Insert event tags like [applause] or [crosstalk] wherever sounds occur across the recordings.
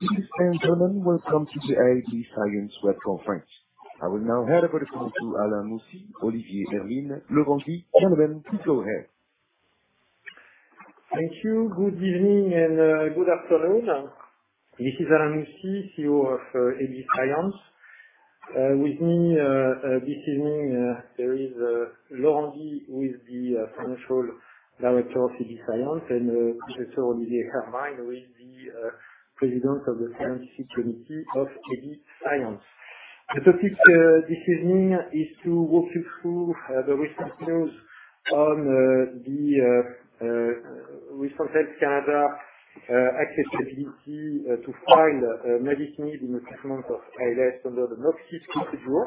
Ladies and gentlemen, welcome to the AB Science Web Conference. I will now hand over the call to Alain Moussy, Olivier Hermine, Laurent Guy and Ivan Pican. Go ahead. Thank you. Good evening and good afternoon. This is Alain Moussy, CEO of AB Science. With me this evening there is Laurent Guy, who is the Chief Financial Officer of AB Science and Professor Olivier Hermine, Chairman of the Scientific Committee of AB Science. The topic this evening is to walk you through the recent news on the recent Health Canada authorization to file masitinib in the treatment of ALS under the NOC/c procedure.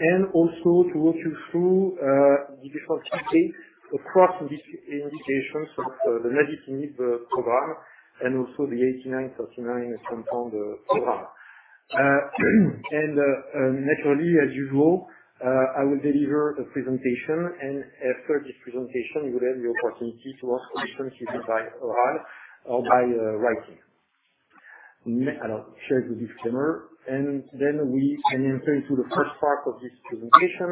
To walk you through the different updates across this indication, the masitinib program and also the AB8939 compound program. Naturally as usual, I will deliver a presentation and after this presentation you will have the opportunity to ask questions either by oral or by writing. Let me kind of share the disclaimer and then we can enter into the first part of this presentation,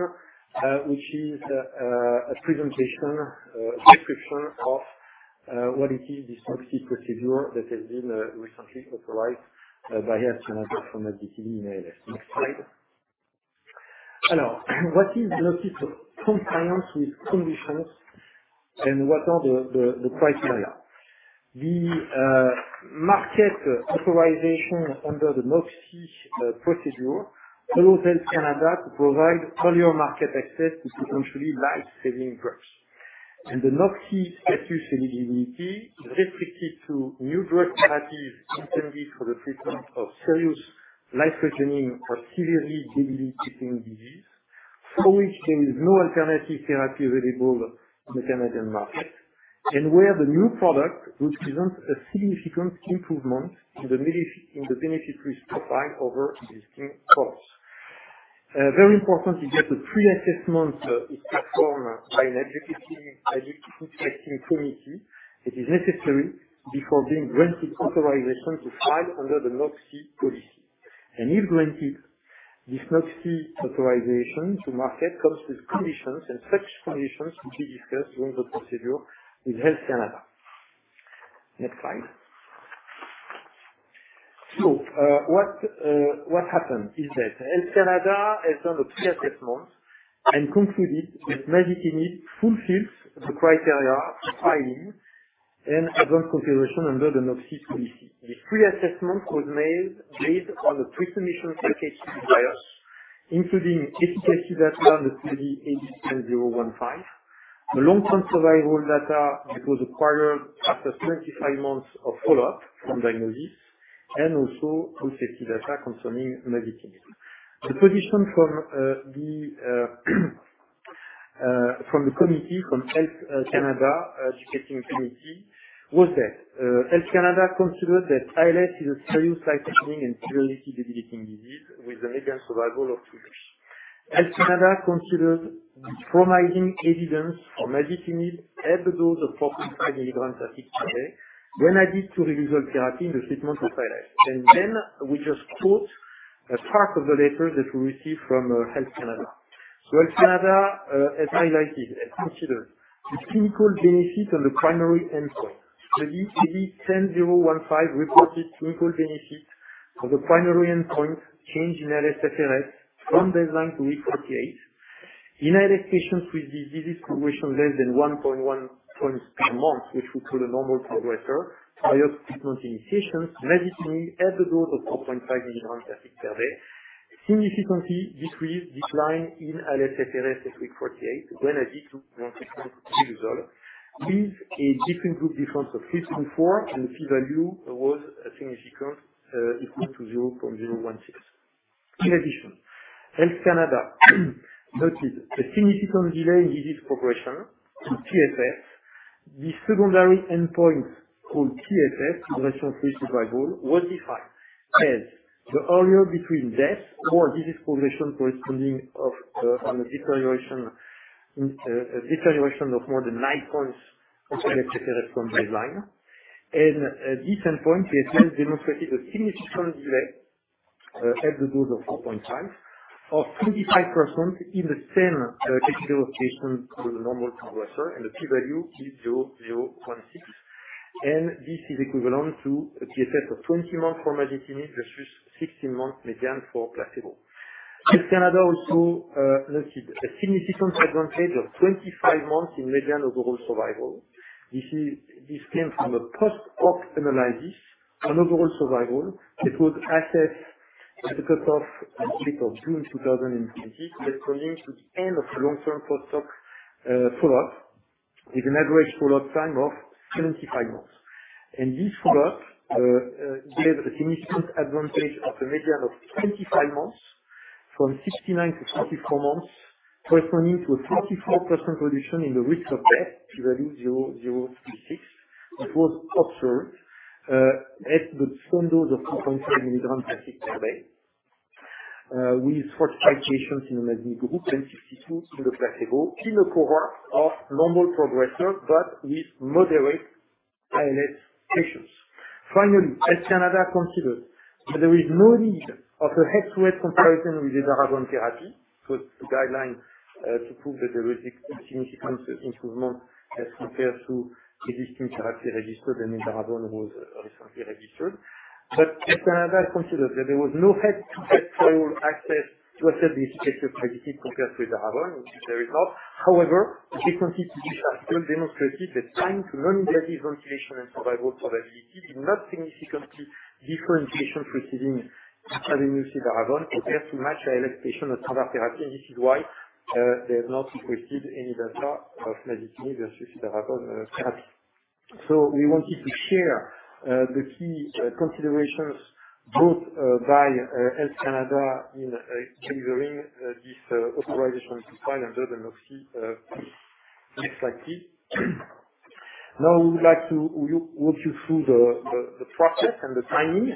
which is a presentation description of what it is this NOC/c procedure that has been recently authorized by Health Canada for masitinib in ALS. Next slide. Hello. What is NOC/c? Compliance with conditions and what are the criteria? The market authorization under the NOC/c procedure allows Health Canada to provide earlier market access to potentially life-saving drugs. The NOC/c status eligibility is restricted to new drug therapies intended for the treatment of serious life-threatening or severely debilitating disease. For which there is no alternative therapy available in the Canadian market. Where the new product represents a significant improvement in the benefit-risk profile over existing costs. It is very important to get the pre-assessment, which is performed by an executive testing committee. It is necessary before being granted authorization to file under the NOC/c policy. If granted, this NOC/c authorization to market comes with conditions. Such conditions will be discussed during the procedure with Health Canada. Next slide. What happened is that Health Canada has done a pre-assessment and concluded that masitinib fulfills the criteria for filing an advance authorization under the NOC/c policy. The pre-assessment was made based on the pre-submission data from clinical trials, including efficacy data, the study AB10015, the long-term survival data that was acquired after 25 months of follow-up from diagnosis and also safety data concerning masitinib. The position from the committee from Health Canada discussing committee was that Health Canada considered that ALS is a serious life-threatening and severely debilitating disease with a median survival of two years. Health Canada considered the promising evidence for masitinib at the dose of 4.5 mg/kg per day when added to riluzole therapy in the treatment of ALS. We just quote a part of the letter that we received from Health Canada. Health Canada has highlighted and considered the clinical benefit on the primary endpoint. The AB10015 reported clinical benefit on the primary endpoint change in ALSFRS from baseline to week 48. In ALS patients with disease progression less than 1.1 points per month, which we call a normal progressor, prior treatment initiations may be seen at the dose of 4.5 mg/kg per day significantly decreased decline in ALSFRS at week 48 when added to riluzole result with a different group difference of 5.4. The P value was significant, equal to 0.016. In addition, Health Canada noted a significant delay in disease progression to TFF. The secondary endpoint called TFF, progression-free survival was defined as the time to death or disease progression corresponding to a deterioration of more than nine points from baseline. At this endpoint, PFS demonstrated a significant delay at the dose of 4.5 of 35% in the same category of patients with a normal progressor and the P value is 0.016. This is equivalent to a PFS of 20 months for masitinib versus 16 months median for placebo. Health Canada also noted a significant advantage of 25 months in median overall survival. You see, this came from a post hoc analysis on overall survival that was assessed at the cut off as of June 2020 corresponding to the end of long-term post hoc follow-up with an average follow-up time of 75 months. This follow-up gave a significant advantage of a median of 25 months from 69 to 44 months corresponding to a 44% reduction in the risk of death p-value 0.006. It was observed at the full dose of 4.5 mg/kg per day. With 45 patients in the group and 62 in the placebo, in a cohort of normal progressor, but with moderate ALS patients. Finally, Health Canada considers that there is no need of a head-to-head comparison with edaravone therapy, so the guideline to prove that there is significant improvement as compared to existing therapy registered and edaravone was recently registered. Health Canada considers that there was no head-to-head trial to assess the efficacy of masitinib compared to edaravone, which is the result. Different institutions have demonstrated that time to non-invasive ventilation and survival probability is not significantly different in patients receiving edaravone compared to matched ALS patients on standard therapy. This is why they have not requested any data of masitinib versus edaravone therapy. We wanted to share the key considerations both by Health Canada in delivering this authorization to file under the NOC/c piece. Next slide, please. Now we would like to walk you through the process and the timing.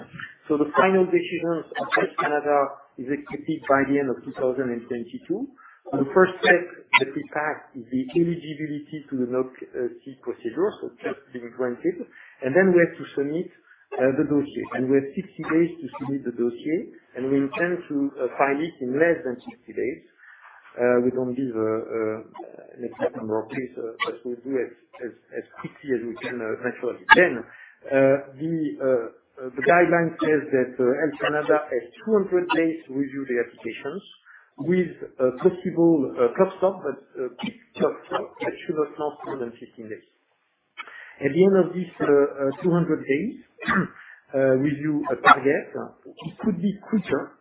The final decision of Health Canada is expected by the end of 2022. The first step that we take is the eligibility to the NOC/c procedure, so just being granted. We have to submit the dossier. We have 60 days to submit the dossier, and we intend to file it in less than 60 days. We don't give an exact number of days, but we'll do as quickly as we can, naturally. The guideline says that Health Canada has 200 days to review the applications with a possible hard stop, but the hard stop that should not cross more than 15 days. At the end of this 200-day review target, it could be quicker,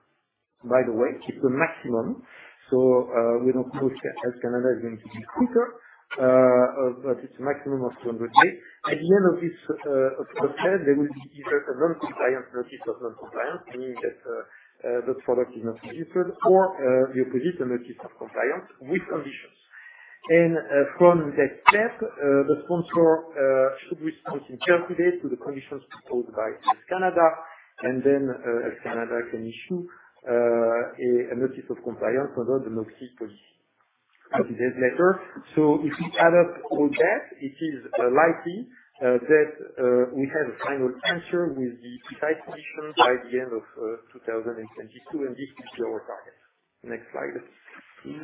by the way, it's the maximum. We don't push it as Canada is going to be quicker, but it's a maximum of 200 days. At the end of this process, there will be either a Notice of Non-Compliance, meaning that that product is not accepted, or the opposite, a Notice of Compliance with Conditions. From that step, the sponsor should respond in 10 days to the conditions proposed by Health Canada and then, Health Canada can issue a notice of compliance under the NOC/c policy. That's it later. If we add up all that, it is likely that we have a final answer with the precise condition by the end of 2022, and this is our target. Next slide, please.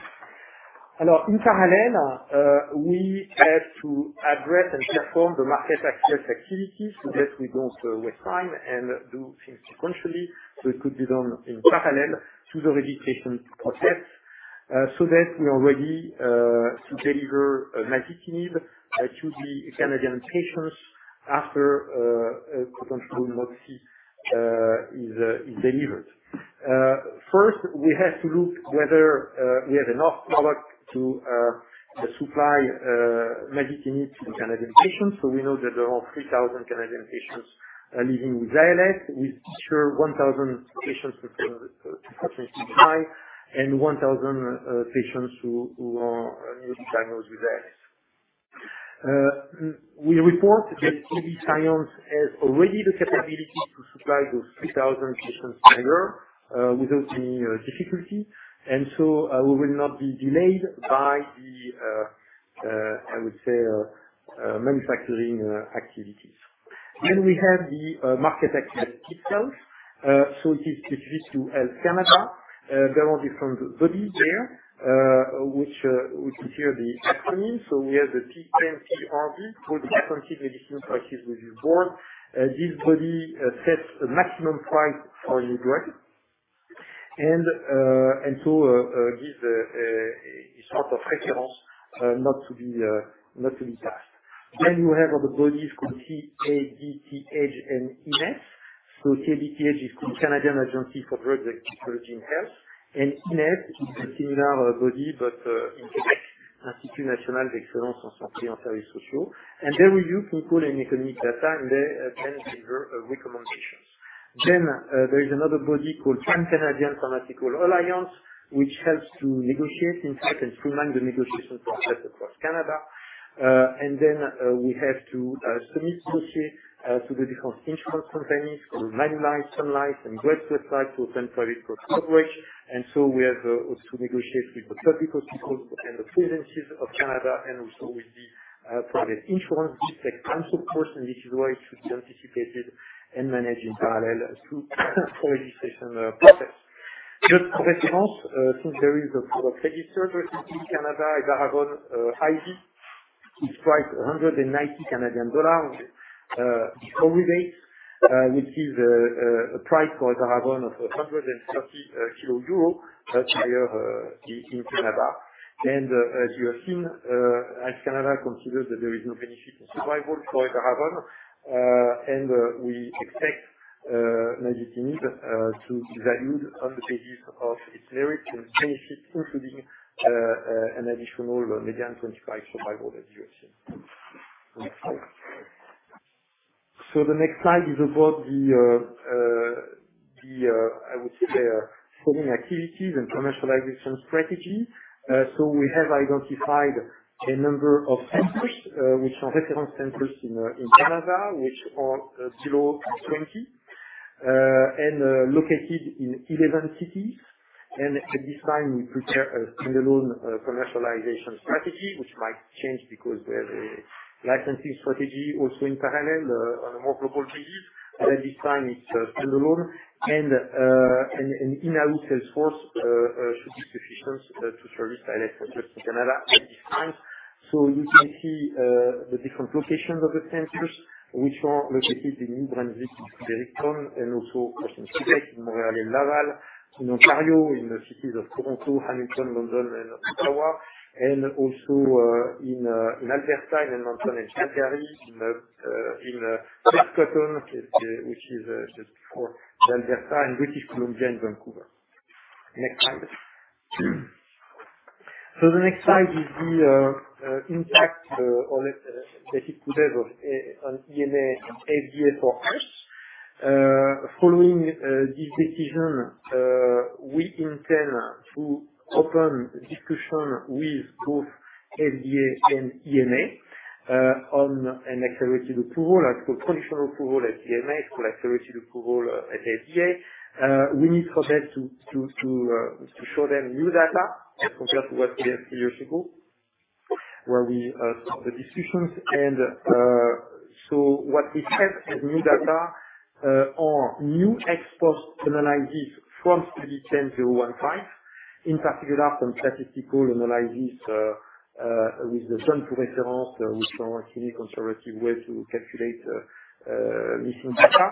Now in parallel, we have to address and perform the market access activities so that we don't waste time and do things sequentially. It could be done in parallel to the registration process, so that we are ready to deliver masitinib to the Canadian patients after potential NOC/c is delivered. First we have to look whether we have enough product to supply masitinib to Canadian patients. We know that there are 3,000 Canadian patients living with ALS. We ensure 1,000 patients through 2025 and 1,000 patients who are newly diagnosed with ALS. We report that AB Science has already the capability to supply those 3,000 patients per year without any difficulty. We will not be delayed by the, I would say, manufacturing activities. We have the market access itself. It is to Health Canada. There are different bodies there which we could hear the acronym. We have the PMPRB for the Patented Medicine Prices Review Board. This body sets the maximum price for a new drug. This is sort of a reference not to be passed. You have other bodies called CADTH and INESSS. CADTH is called Canadian Agency for Drugs and Technologies in Health, and INESSS is a similar body but in Quebec, Institut national d'excellence en santé et en services sociaux. They review clinical and economic data, and they can give recommendations. There is another body called pan-Canadian Pharmaceutical Alliance, which helps to negotiate, in fact, and streamline the negotiation process across Canada. We have to submit a dossier to the different insurance companies called Manulife, Sun Life and Great-West Life for private drug coverage. We also negotiate with the provincial people and the agencies of Canada and also with the private insurance, just like cancer ports, and this is why it should be anticipated and managed in parallel through the registration process. Just for reference, since there is a product registered with Health Canada, edaravone IV is priced 190 Canadian dollars before rebate, which is a price for edaravone of EUR 130,000 higher in Canada. As you have seen, Health Canada considers that there is no benefit in survival for edaravone. We expect masitinib to be valued on the basis of its merits and benefits, including an additional median 25-month survival that you have seen. Next slide. The next slide is about the, I would say, following activities and commercialization strategy. We have identified a number of centers, which are reference centers in Canada, which are below 20 and located in 11 cities. At this time, we prepare a standalone commercialization strategy, which might change because we have a licensing strategy also in parallel, on a more global basis. At this time it's standalone and an in-house sales force should be sufficient to service ALS and just in Canada at this time. You can see the different locations of the centers which are located in New Brunswick, in Fredericton, and also in Quebec, in Montreal and Laval, in Ontario, in the cities of Toronto, Hamilton, London, and Ottawa, and also in Alberta, in Edmonton and Calgary, in Saskatchewan which is just before Alberta and British Columbia and Vancouver. Next slide. The next slide is the impact on this basic takeaway of an EMA, FDA for us. Following this decision, we intend to open discussion with both FDA and EMA on an accelerated approval, like a traditional approval at EMA, so accelerated approval at FDA. We need a process to show them new data compared to what they have two years ago, where we start the discussions and what we have as new data are new exploratory analysis from study 10015, in particular some statistical analysis with the jump-to-reference, which are actually conservative way to calculate missing data,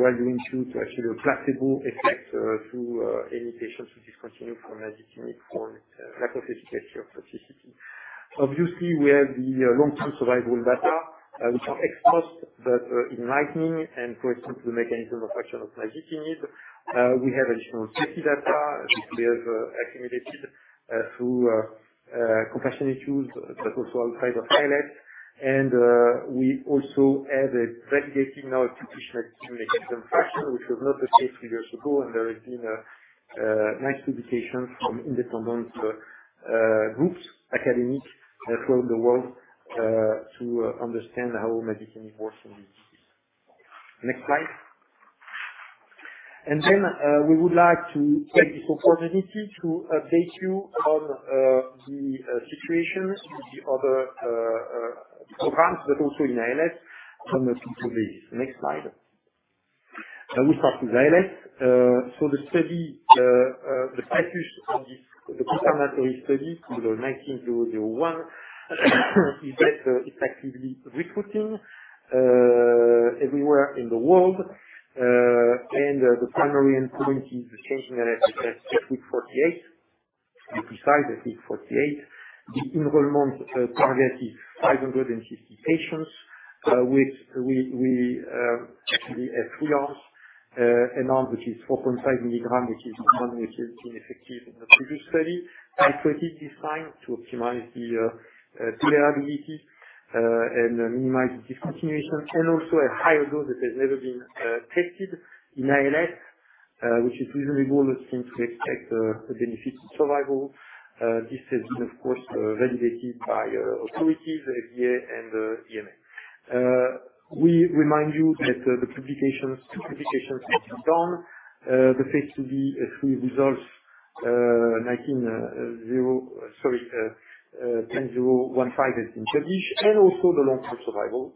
while doing two to actually a placebo effect through any patients who discontinue from azacitidine for lack of efficacy of CCT. Obviously, we have the long-term survival data, which are exposed but enlightening and for instance, the mechanism of action of masitinib. We have additional safety data which we have accumulated through compassionate use, but also all types of highlights. We also have a very significant institutional accumulation of interest, which was not the case two years ago. There has been a nice publication from independent groups, academics from around the world to understand how masitinib works in this. Next slide. We would like to take this opportunity to update you on the situation with the other programs, but also in ALS from the two studies. Next slide. We start with ALS. So the status of the post-ambulatory study 019001 is that it's actively recruiting everywhere in the world. The primary endpoint is the change in ALSFRS at week 48. To be precise, at week 48. The enrollment target is 550 patients. We actually have three arms. An arm which is 4.5 mg which has been effective in the previous study. Hybrid III design to optimize the tolerability and minimize discontinuation, and also a higher dose that has never been tested in ALS, which is reasonable, let's say, to expect a benefit to survival. This has been of course validated by authorities, the FDA and EMA. We remind you that two publications have been done. The Phase IIb/III results, AB10015 has been published and also the long-term survival,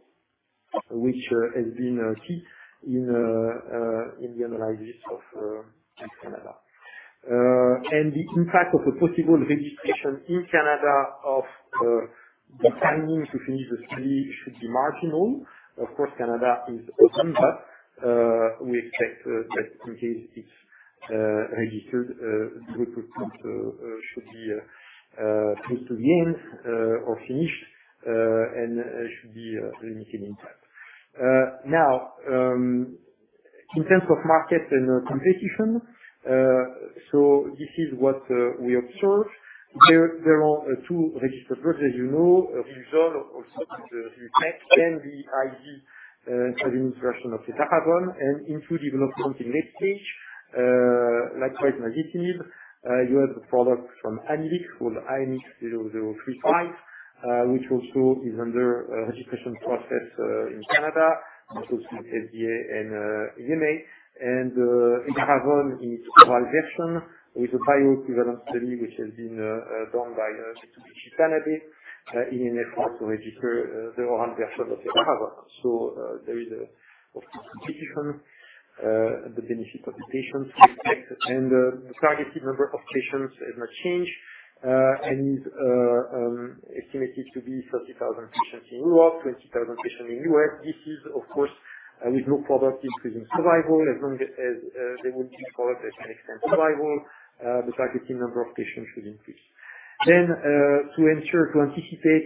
which has been key in the analysis of Canada. The impact of a possible registration in Canada on the timing to finish the study should be marginal. Of course, Canada is open, but we expect that in case it's registered, group of patients should be close to the end or finished, and it should be limited in time. Now, in terms of market and competition, this is what we observe. There are two registered drugs, as you know, riluzole and edaravone, the intravenous version, and two in development in late stage. Likewise, for ALS, you have a product from Amylyx called AMX0035, which also is under registration process in Canada, also with FDA and EMA. Edaravone in its oral version with a bioequivalence study, which has been done by Mitsubishi Tanabe in an effort to register the oral version of risdiplam. There is, of course, competition, the benefit of the patients we expect and the targeted number of patients has not changed and is estimated to be 30,000 patients in Europe, 20,000 patients in U.S. This is, of course, with new products increasing survival as long as they will be followed as an extended survival, the targeted number of patients should increase. To ensure to anticipate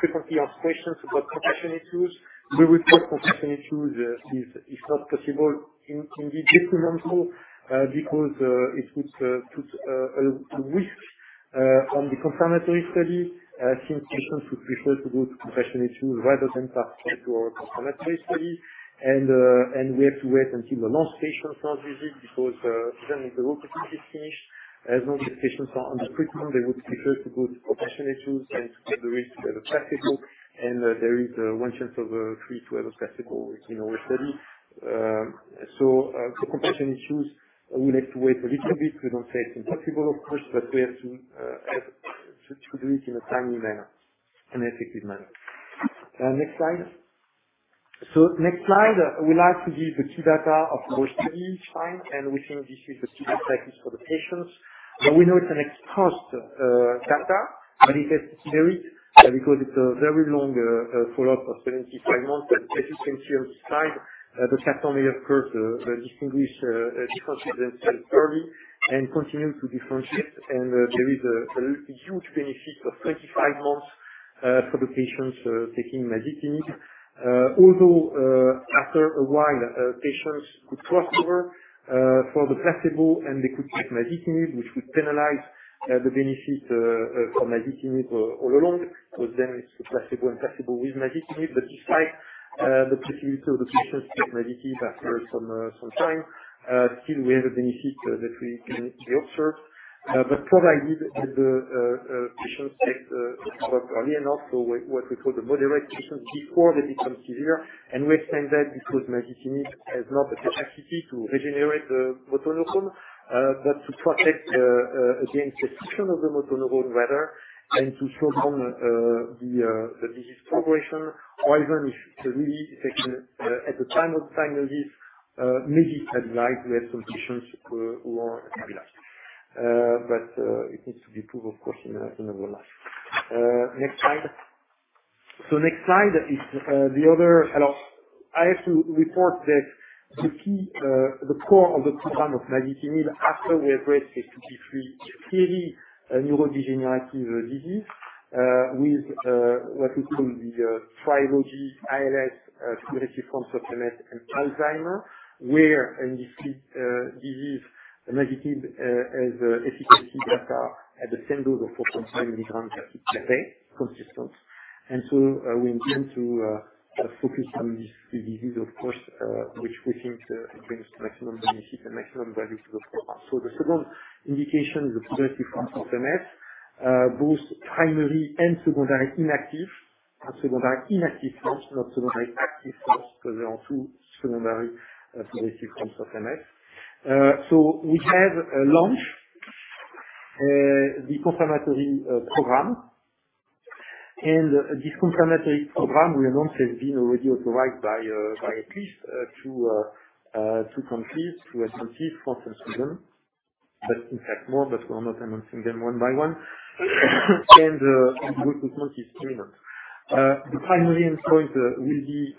frequently asked questions about compassionate use, we will start compassionate use if not possible in the different also because it would put at risk on the confirmatory study, since patients would prefer to go to compassionate use rather than participate to our confirmatory study. We have to wait until the last patient start visit because then the enrollment quickly is finished. As long as the patients are on the treatment, they would prefer to go to compassionate use and to take the risk of the placebo. There is one chance in three to have a placebo in our study. For compassionate use, we have to wait a little bit. We don't say it's impossible, of course, but we have to have to do it in a timely manner, in an effective manner. Next slide. Next slide, I would like to give the key data of our study, fine, and we think this is the standard practice for the patients. We know it's an exposed data, but it has to be there because it's a very long follow-up of 75 months. As you can see on this slide, the data only shows distinguishable differences early and continues to differentiate. There is a huge benefit of 25 months for the patients taking masitinib. Although after a while, patients could crossover from the placebo, and they could take masitinib, which would penalize the benefit for masitinib all along. It's placebo and masitinib. Despite the possibility of the patients taking masitinib after some time, still we have a benefit that we observed. Provided that the patients take drug early enough, what we call the moderate patients, before they become severe. We extend that because masitinib has not the capacity to regenerate the motor neuron, but to protect the function of the motor neuron rather, and to slow down the disease progression. Even if early patient at the time of diagnosis, maybe advanced, we have some patients who are collapsed. It needs to be proved of course in a Phase III. Next slide. Next slide is the other. Hello. I have to report that the key, the core of the program of masitinib, after we address FTD-3, is clearly a neurodegenerative disease, with what we call the trilogy ALS, progressive forms of MS and Alzheimer's, where in this disease, masitinib has efficacy data at the same dose of 4.5 mg per day consistent. We intend to focus on these three diseases of course, which we think brings maximum benefit and maximum value to the program. The second indication is progressive forms of MS, both primary and secondary inactive, and secondary inactive forms, not secondary active forms, because there are two secondary progressive forms of MS. We have launched the confirmatory program. This confirmatory program we announced has been already authorized by ANSM to complete the confirmatory for some reasons. In fact more, we're not announcing them one by one. The recruitment is imminent. The primary endpoint will be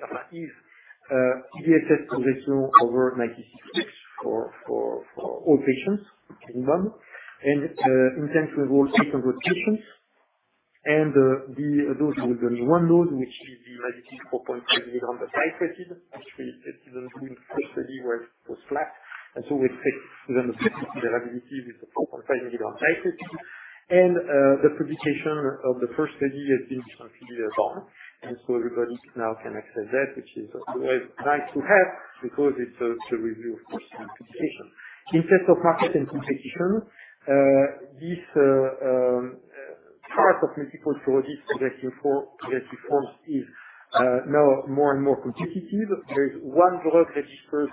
EDSS progression over 96 weeks for all patients minimum. We intend to enroll 800 patients. Those with the one arm which is the masitinib 4.5 mg titrated, actually participants in the first study where it was flat. We take them flexibility, the masitinib with the 4.5 mg titrated. The publication of the first study has been completed as well. Everybody now can access that, which is always nice to have because it's a review, of course, and publication. In terms of market and competition, this part of multiple sclerosis progressive forms is now more and more competitive. There is one drug registered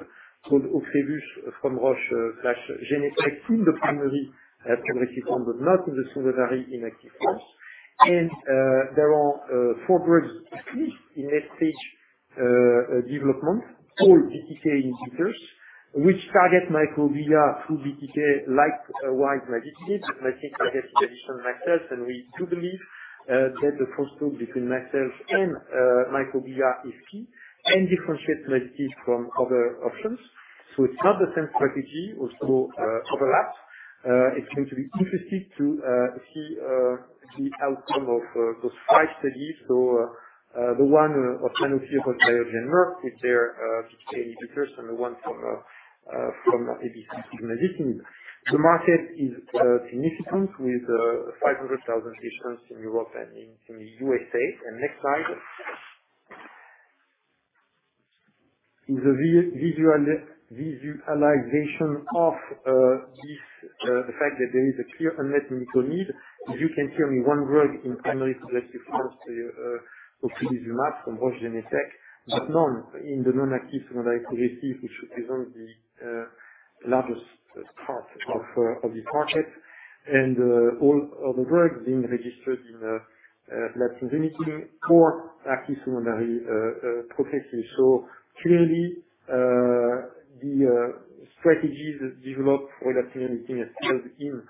called Ocrevus from Roche/Genentech in the primary progressive form, but not in the secondary progressive forms. There are four drugs at least in late-stage development, all BTK inhibitors, which target microglia through BTK likewise masitinib, but masitinib has additional astrocytes. We do believe that the crosstalk between astrocytes and microglia is key and differentiates masitinib from other options. It's not the same strategy, although overlaps. It's going to be interesting to see the outcome of those five studies. The one of Sanofi about Biogen MS, if they're BTK inhibitors and the one from AB Science masitinib. The market is significant with 500,000 patients in Europe and in the USA. Next slide. It's a visualization of the fact that there is a clear unmet medical need. As you can see only one drug in primary progressive forms of ocrelizumab from Roche Genentech, but none in the non-active secondary progressive, which represents the largest part of the project and all other drugs being registered in late-stage for active secondary progressive. Clearly, the strategies developed for that community has failed in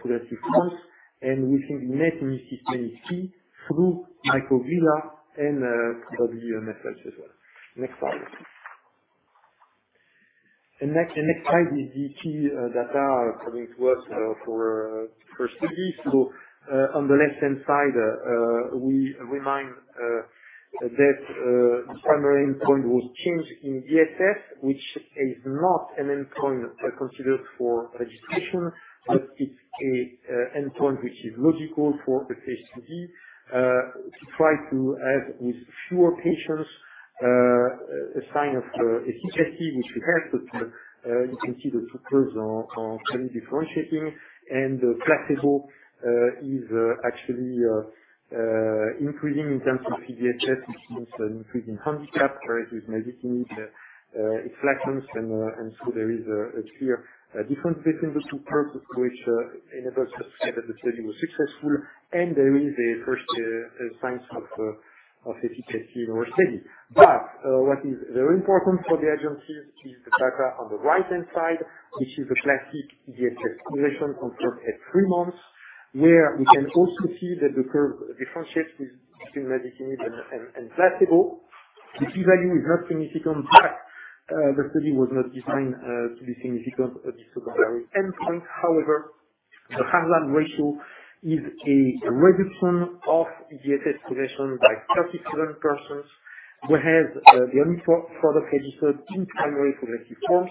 progressive forms and we think masitinib through microglia and probably mast cells as well. Next slide. Next slide is the key data coming to us for study. On the left-hand side, we remind that the primary endpoint was change in EDSS, which is not an endpoint considered for registration, but it's an endpoint which is logical for PPMS to try to have with fewer patients a sign of efficacy which we have, but you can see the two curves are clearly differentiating. The placebo is actually increasing in terms of PHF, which means an increase in handicap, whereas with masitinib, it flattens and so there is a clear difference between the two purposes which enables us that the study was successful, and there is a first signs of efficacy in our study. What is very important for the agencies is the data on the right-hand side, which is a classic EDF expression confirmed at three months, where we can also see that the curve differentiates between masitinib and placebo. The P value is not significant, but the study was not designed to be significant at the secondary endpoint. However, the hazard ratio is a reduction of EDSS progression by 37%, whereas the only product registered in primary progressive forms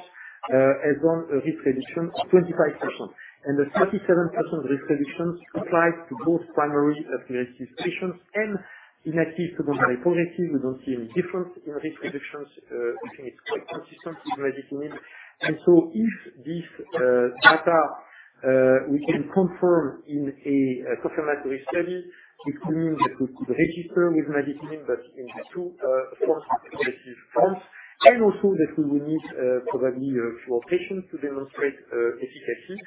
has done a risk reduction of 25%. The 37% risk reduction applies to both primary progressive patients and in active secondary progressive, we don't see any difference in risk reductions. I think it's quite consistent with masitinib. If this data we can confirm in a confirmatory study, which means that we could register with masitinib but in the two progressive forms, and also that we will need probably fewer patients to demonstrate efficacy.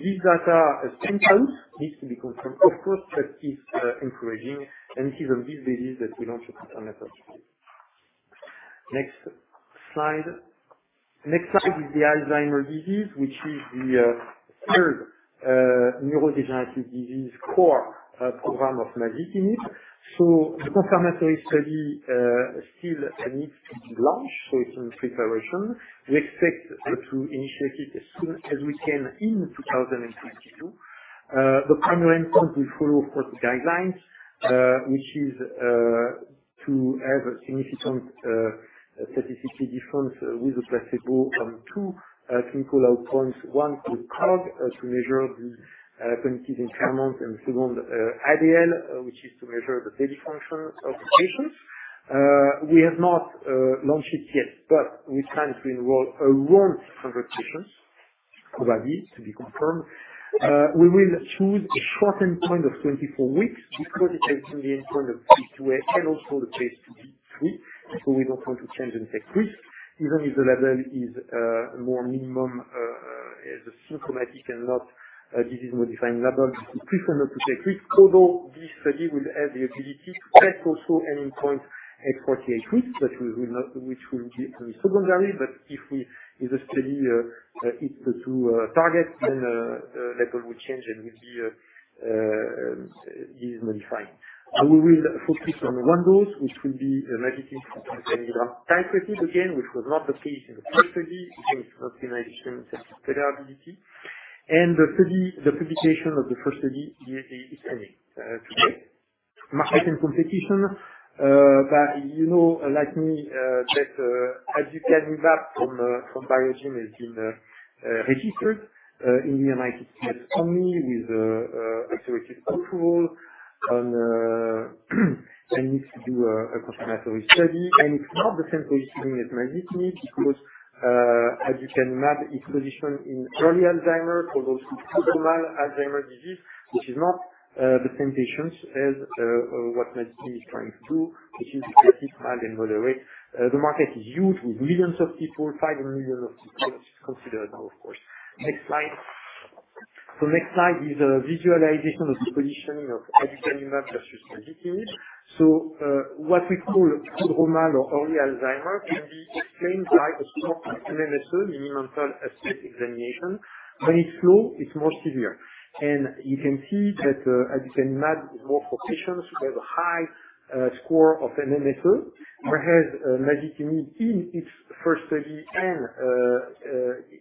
This data is pivotal, needs to be confirmed. Of course, that is encouraging. It is on this basis that we launched the Phase III. Next slide. Next slide is the Alzheimer's disease, which is the third neurodegenerative disease core program of masitinib. The confirmatory study still needs to be launched, so it's in preparation. We expect to initiate it as soon as we can in 2022. The primary endpoint we follow, of course, the guidelines, which is to have a significant statistical difference with the placebo on two clinical endpoints. One with COG to measure the cognitive impairment, and second, ADL, which is to measure the daily function of the patients. We have not launched it yet, but we plan to enroll around 100 patients, probably, to be confirmed. We will choose an endpoint of 24 weeks because it has been the endpoint of Phase II, and also the Phase IIb/III. We don't want to change and take risk, even if the level is more minimum as symptomatic and not a disease-modifying level. This is preferred not to take risk. Although this study will have the ability to test also an endpoint at 48 weeks, which will be only secondary. If the study hits the two targets, then level will change and will be disease-modifying. We will focus on one dose, which will be masitinib titrated again, which was not the case in the first study. Again, it's optimization and therapy ability. The publication of the first study is pending to date. Market competition, but you know, like me, that aducanumab from Biogen has been registered in the United States only with accelerated approval and needs to do a confirmatory study. It's not the same positioning as masitinib because aducanumab is positioned in early Alzheimer's for those with clinical Alzheimer's disease, which is not the same patients as what masitinib is trying to. This is the critical mild and moderate. The market is huge with millions of people, 5 million people considered now, of course. Next slide. Next slide is a visualization of the positioning of aducanumab versus masitinib. What we call prodromal or early Alzheimer's can be explained by a strong MMSE, Mini-Mental State Examination. When it's low, it's more severe. You can see that aducanumab is more for patients who have a high score of MMSE, whereas masitinib in its first study and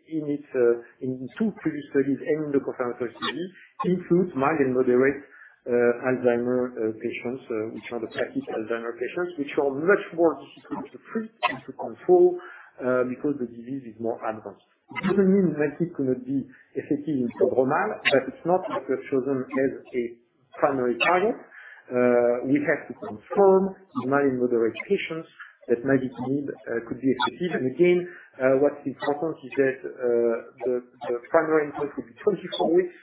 in its two previous studies and in the confirmatory study includes mild and moderate Alzheimer's patients, which are the classic Alzheimer's patients, which are much more difficult to treat and to control because the disease is more advanced. It doesn't mean masitinib could not be effective in prodromal, but it's not what we have chosen as a primary target. We have to confirm with mild and moderate patients that masitinib could be effective. Again, what is important is that the primary endpoint will be 24 weeks,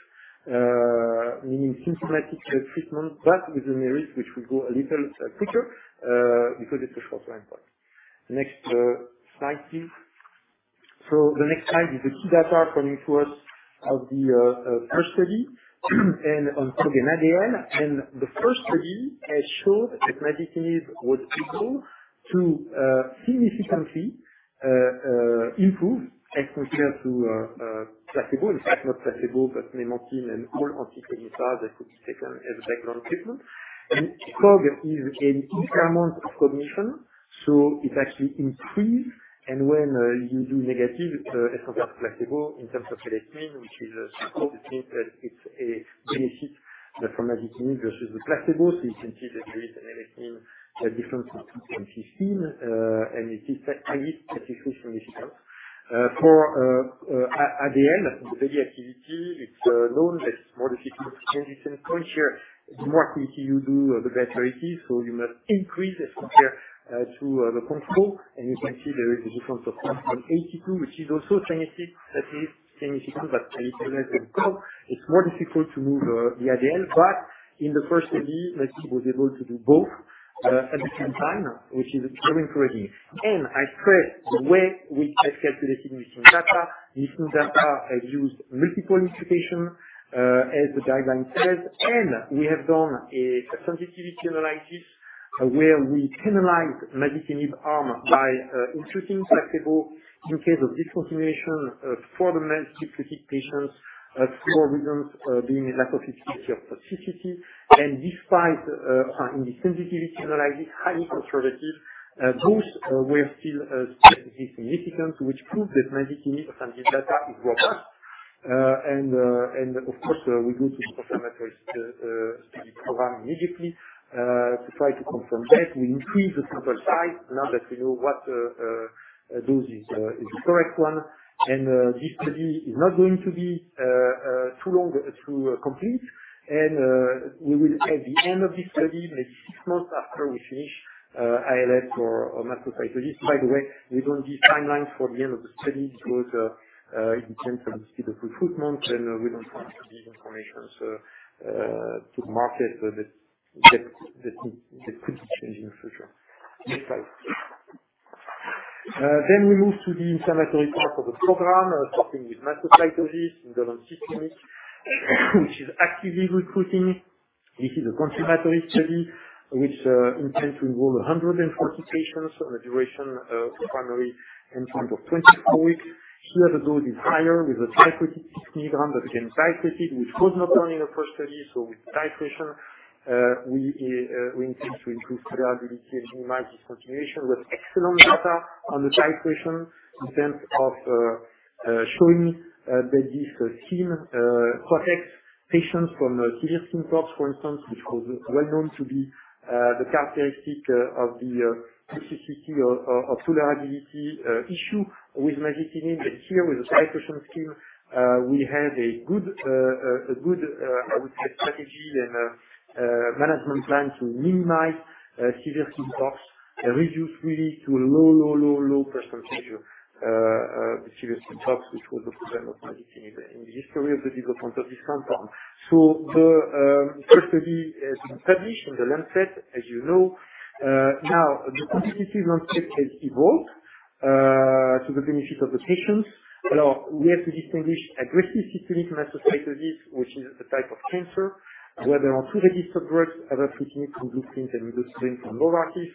meaning symptomatic treatment, but with an ADAS which will go a little quicker because it's a short endpoint. Next slide, please. The next slide is the key data from the first study on COG and ADL. The first study has showed that masitinib was able to significantly improve as compared to placebo. In fact, not placebo, but memantine and all anti-cholinesterase that could be taken as background treatment. COG is an increment of cognition, so it actually increased. When you do negative, it's as compared to placebo in terms of ADAS-Cog, which is a score that means that it's a deficit from masitinib versus the placebo. You can see that there is an 18 difference of 2.15. And it is statistically significant. For ADL, the daily activity, it's known that more difficult to change than pain here. The more quickly you do, the better it is. You must increase as compared to the control. You can see there is a difference of 1.82, which is also statistically significant but only borderline significant. It's more difficult to move the ADL. In the first arm, like, it was able to do both at the same time, which is very encouraging. I stress the way we have calculated missing data. Missing data have used multiple imputation as the guideline says. We have done a sensitivity analysis where we penalized masitinib arm by imputing placebo in case of discontinuation for the most depleted patients for reasons being a lack of efficacy or toxicity. Despite in the sensitivity analysis, highly conservative, those were still statistically significant, which proves that masitinib sensitivity data is robust. Of course, we go to the confirmatory study program immediately to try to confirm that. We increase the sample size now that we know what dose is the correct one. This study is not going to be too long to complete. We will, at the end of this study, maybe six months after we finish ALS or mastocytosis. By the way, we don't give timelines for the end of the study because it depends on the speed of recruitment, and we don't want to give information to the market that could change in the future. Next slide. We move to the inflammatory part of the program, starting with mastocytosis, indolent systemic, which is actively recruiting. This is a confirmatory study which intends to enroll 140 patients on a duration of primary endpoint of 24 weeks. Here, the dose is higher with a titratable 50 mg that became titrated, which was not done in the first study. With titration, we intend to improve tolerability and minimize discontinuation with excellent data on the titration in terms of showing that this scheme protects patients from severe symptoms, for instance, which was well-known to be the characteristic of the toxicity or tolerability issue with masitinib. Here, with the titration scheme, we have a good, I would say, strategy and management plan to minimize severe symptoms and reduce really to a low percentage of the severe symptoms, which was a problem of masitinib in the history of the development of this compound. The first study is published in The Lancet, as you know. Now the competitive landscape has evolved to the benefit of the patients. Now we have to distinguish aggressive systemic mastocytosis, which is a type of cancer, where there are two registered drugs, avapritinib from Blueprint Medicines and midostaurin from Novartis.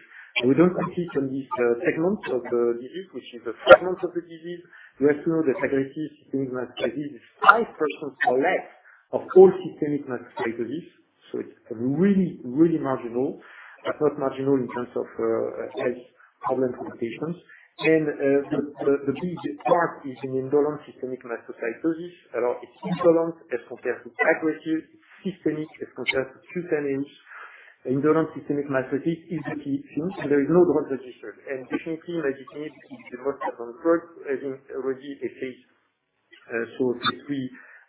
We don't compete on this segment of the disease, which is a segment of the disease. You have to know that aggressive systemic mastocytosis is 5% or less of all systemic mastocytosis, so it's really, really marginal. Not marginal in terms of high problem for patients. The biggest part is in indolent systemic mastocytosis. A lot is indolent as compared to aggressive. It's systemic as compared to cutaneous. Indolent systemic mastocytosis is the key thing. There is no drugs registered. Definitely, masitinib is the most advanced drug, as in already a Phase III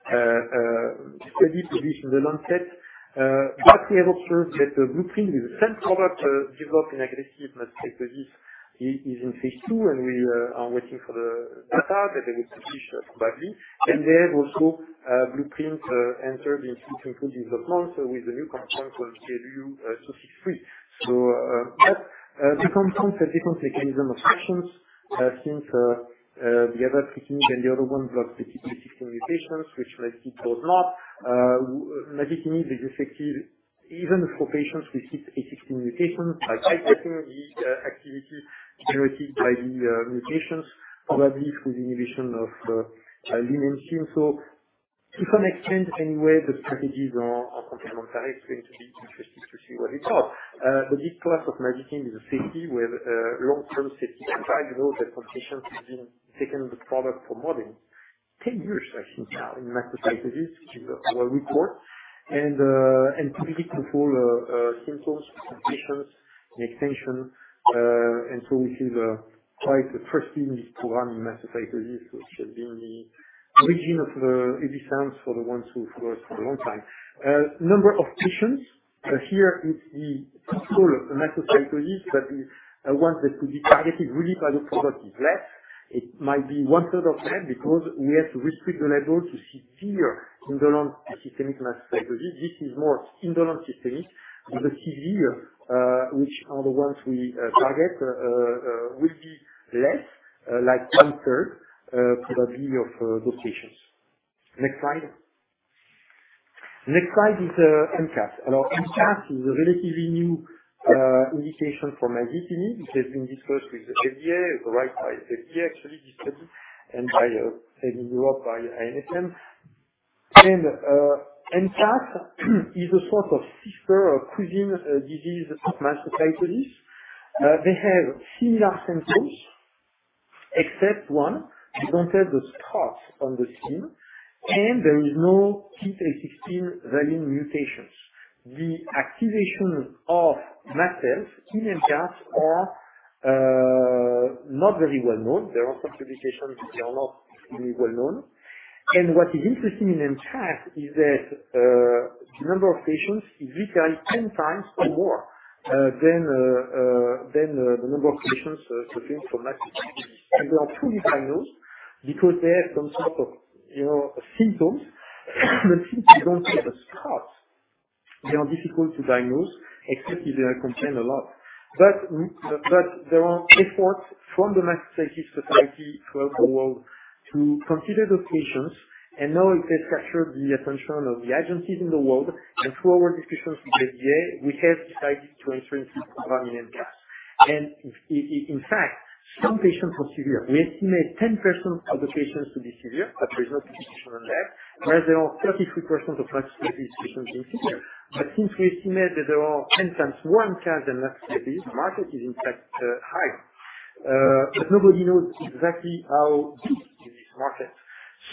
study published in The Lancet. Glaxo have also got blueprint with the same product developed in aggressive mastocytosis is in Phase II, and we are waiting for the data that they will publish probably. They have also a Blueprint entered in Phase II for development with a new compound called BLU-263. Different compounds have different mechanisms of action, since the avapritinib and the other one block particularly D816V mutations, which masitinib does not. Masitinib is effective even for patients with D816V mutations by titrating the activity generated by the mutations, probably through the inhibition of Lin28. To some extent, the strategies are complementary. It's going to be interesting to see where it goes. The big plus of masitinib is the safety, long-term safety. It's remarkable that some patients have been taking the product for more than 10 years actually now in mastocytosis, which is our readout. Typically controls symptoms in patients and extension. We feel quite trusting this program in mastocytosis, which has been the regime of Evance for the ones who follow us for a long time. Number of patients. Here it's the total of the mastocytosis, but the ones that could be targeted really by the product is less. It might be one third of them because we have to restrict the label to severe indolent systemic mastocytosis. This is more indolent systemic. The severe which are the ones we target will be less, like one third probably of those patients. Next slide. Next slide is MCAS. Now, MCAS is a relatively new indication for masitinib, which has been discussed with the FDA, right by FDA actually, this study, and in Europe by ANSM. MCAS is a sort of sister or cousin disease of mastocytosis. They have similar symptoms. Except one, it doesn't have the spots on the skin and there is no D816V variant mutations. The activation of mast cells in MCAS are not very well-known. There are some publications but they are not very well-known. What is interesting in MCAS is that the number of patients is literally 10 times or more than the number of patients suffering from mastocytosis. They are fully diagnosed because they have some sort of, you know, symptoms, but since they don't have the spots, they are difficult to diagnose, especially they are concerned a lot. There are efforts from the Mastocytosis Society throughout the world to consider those patients and now it has captured the attention of the agencies in the world, and through our discussions with the FDA, we have decided to enter into the program in MCAS. In fact, some patients were severe. We estimate 10% of the patients to be severe, but there's no partition on that. Whereas there are 33% of mastocytosis patients being severe. Since we estimated there are 10 times as many MCAS than mastocytosis, the market is in fact high. Nobody knows exactly how big this market is.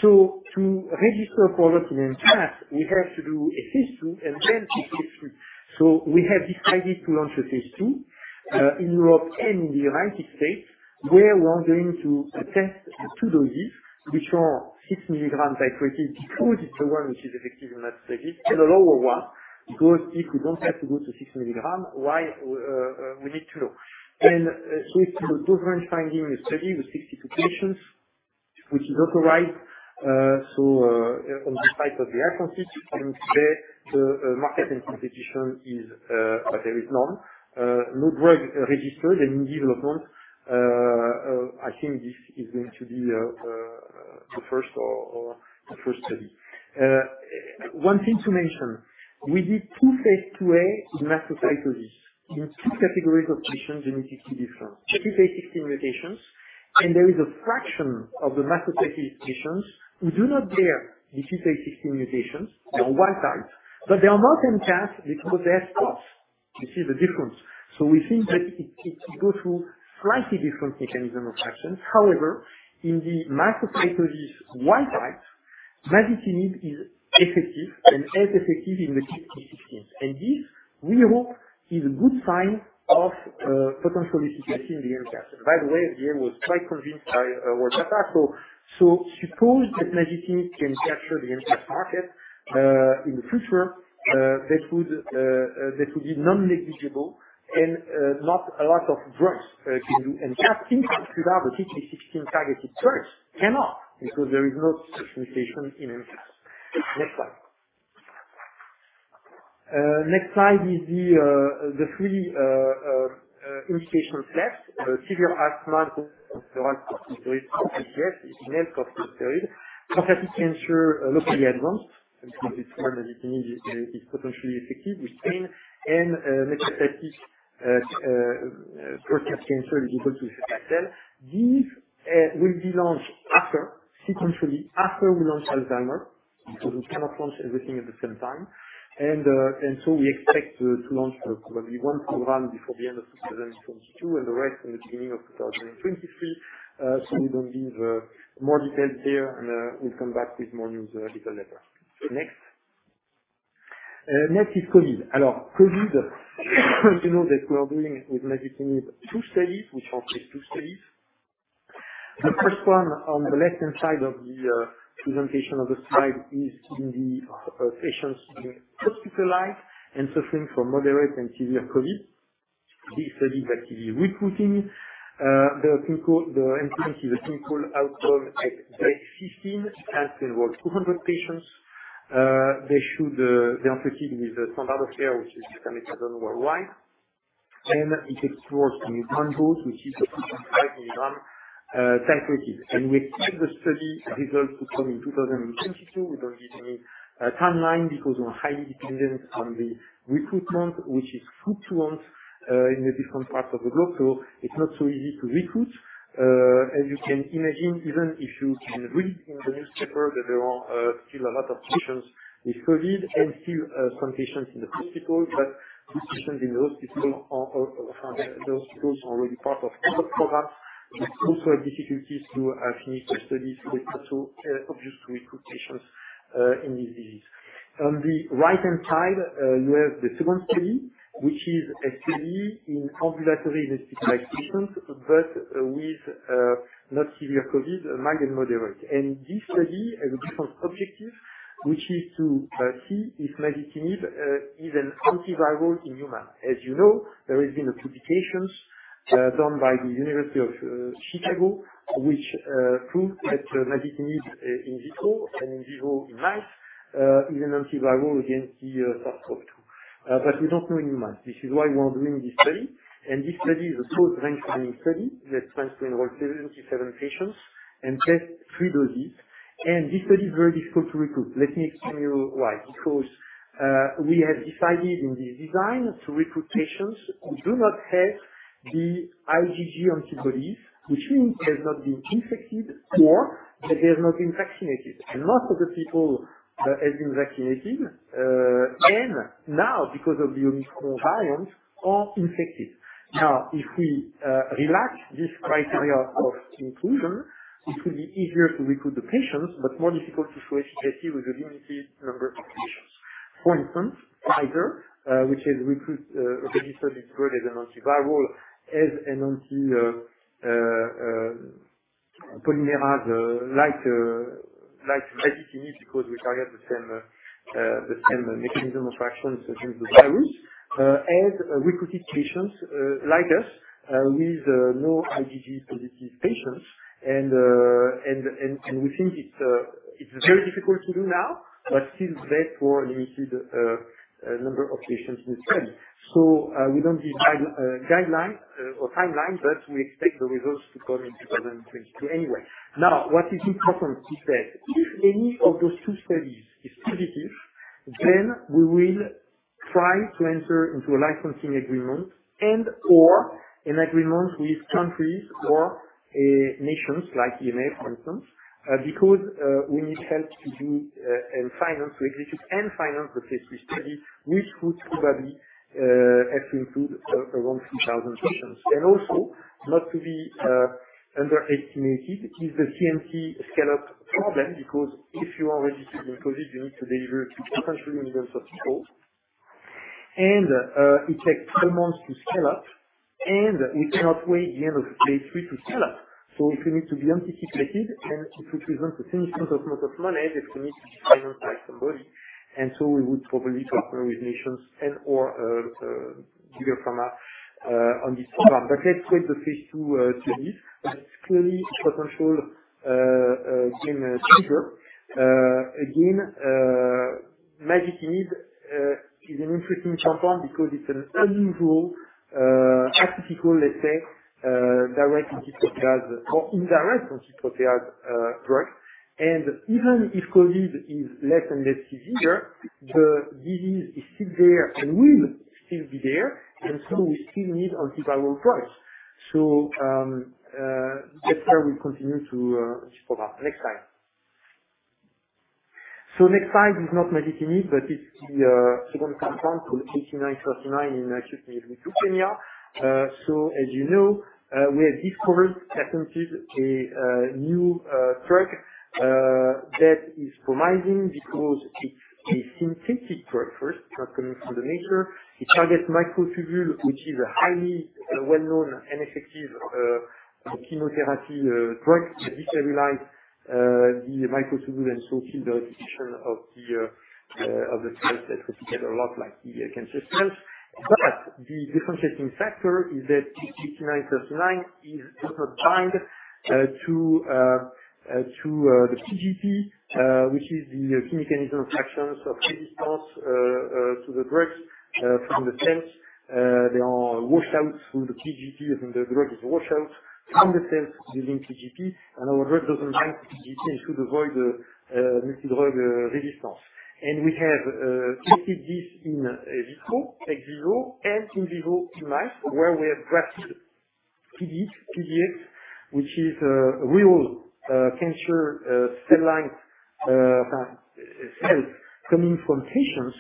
To register a product in MCAS, we have to do a Phase II and then a Phase III. We have decided to launch a Phase II in Europe and in the United States, where we are going to test two doses which are 6 mg/kg/day, because it's the one which is effective in mastocytosis and a lower one, because if we don't have to go to 6 mg, why we need to know. It's a dose range finding study with 62 patients which is authorized, so on the side of the agencies and the market and competition is very small. No drug registered in development. I think this is going to be the first study. One thing to mention, we did two Phase IIa with mastocytosis in two categories of patients genetically different. D816V mutations and there is a fraction of the mastocytosis patients who do not bear the D816V mutations. They are wild type. They are not MCAS because they have spots. This is the difference. We think that it goes through slightly different mechanism of actions. However, in the mastocytosis wild type, masitinib is effective and as effective in the D816Vs. This we hope is a good sign of potential efficacy in the MCAS. By the way, the FDA was quite convinced by our data. Suppose that masitinib can capture the MCAS market in the future, that would be non-negligible and not a lot of drugs can do. Just in fact, without the D816V targeted first, cannot, because there is no such mutation in MCAS. Next slide. Next slide is the three indication sets. Severe asthma, moderate to severe ulcerative colitis in adults on steroid, pancreatic cancer, locally advanced. Since masitinib is potentially effective with brain and metastatic prostate cancer plus ipi/pembrolizumab. These will be launched sequentially after we launch Alzheimer's, because we cannot launch everything at the same time. We expect to launch probably one program before the end of 2022, and the rest in the beginning of 2023. We don't give more details here and we'll come back with more news a little later. Next is COVID. COVID, as you know, we are doing with masitinib two studies. We have two studies. The first one on the left-hand side of the presentation of the slide is for patients hospitalized and suffering from moderate and severe COVID. This study that we are recruiting, the endpoint is a clinical outcome at day 15 and involves 200 patients. They are treated with standard of care which is dexamethasone worldwide. It explores two new compounds which is 0.5 mg cyclically. We expect the study results to come in 2022. We don't give any timeline because we're highly dependent on the recruitment, which is fluctuant in the different parts of the globe. It's not so easy to recruit. As you can imagine, even if you can read in the newspaper that there are still a lot of patients with COVID and some patients in the hospital. These patients in the hospital are those hospitals that are already part of other programs which also have difficulties to finish their studies. It's also obvious to recruit patients in this disease. On the right-hand side you have the second study, which is a study in ambulatory and hospitalized patients, but with not severe COVID, mild and moderate. This study has a different objective, which is to see if masitinib is an antiviral in human. As you know, there has been a publication done by the University of Chicago, which prove that masitinib in vitro and in vivo in mice is an antiviral against the SARS-CoV-2. But we don't know in human. This is why we are doing this study. This study is a small groundbreaking study that plans to enroll 77 patients and test three doses. This study is very difficult to recruit. Let me explain to you why. Because we have decided in the design to recruit patients who do not have the IgG antibodies, which means they have not been infected or that they have not been vaccinated. Most of the people have been vaccinated, and now because of the Omicron variant, are infected. Now, if we relax this criteria of inclusion, it will be easier to recruit the patients, but more difficult to show efficacy with a limited number of patients. For instance, [inaudible] which is remdesivir, [inaudible] is good as an antiviral, as an anti-polymerase like masitinib because we carry out the same mechanism of action against the virus. As recruited patients like us with no IDD-positive patients and we think it's very difficult to do now, but still best for limited number of patients we study. We don't give guideline or timeline, but we expect the results to come in 2022 anyway. Now, what is important to say, if any of those two studies is positive, then we will try to enter into a licensing agreement and/or an agreement with countries or nations like EMA, for instance. Because we need help to do and finance to execute and finance the Phase II study, which could probably have to include around 3,000 patients. Also, not to be underestimating, it is the CMC scale-up problem because if you are registered with COVID, you need to deliver to potentially millions of people. It takes three months to scale up and we cannot wait the end of Phase III to scale up. We need to be anticipated and it would represent a significant amount of money that we need to be financed by somebody. We would probably talk with nations and/or bigger pharma on this program. Let's wait the Phase II studies. Clearly potential in. [inaudible] Again, masitinib is an interesting compound because it's an unusual atypical, let's say, direct anti-protease or indirect anti-protease drug. Even if COVID is less and less severe, the disease is still there and will still be there. We still need antiviral drugs. That's where we continue to look for that. Next slide. Next slide is not masitinib but it's the second compound to AB8939 in acute myeloid leukemia. As you know, we have discovered, synthesized a new drug that is promising because it's a synthetic drug first, not coming from the nature. It targets microtubule, which is a highly well-known and effective chemotherapy drug that destabilizes the microtubule and so kills the division of the cells that replicate a lot like the cancer cells. The differentiating factor is that AB8939 does not bind to the P-gp, which is the mechanism of resistance to the drugs from the cells. They are washed out through the P-gp and the drug is washed out from the cells using P-gp and our drug doesn't bind to P-gp and should avoid the multi-drug resistance. We have tested this in vitro, ex vivo and in vivo in mice where we have grafted PDX which is real cancer cell line cells coming from patients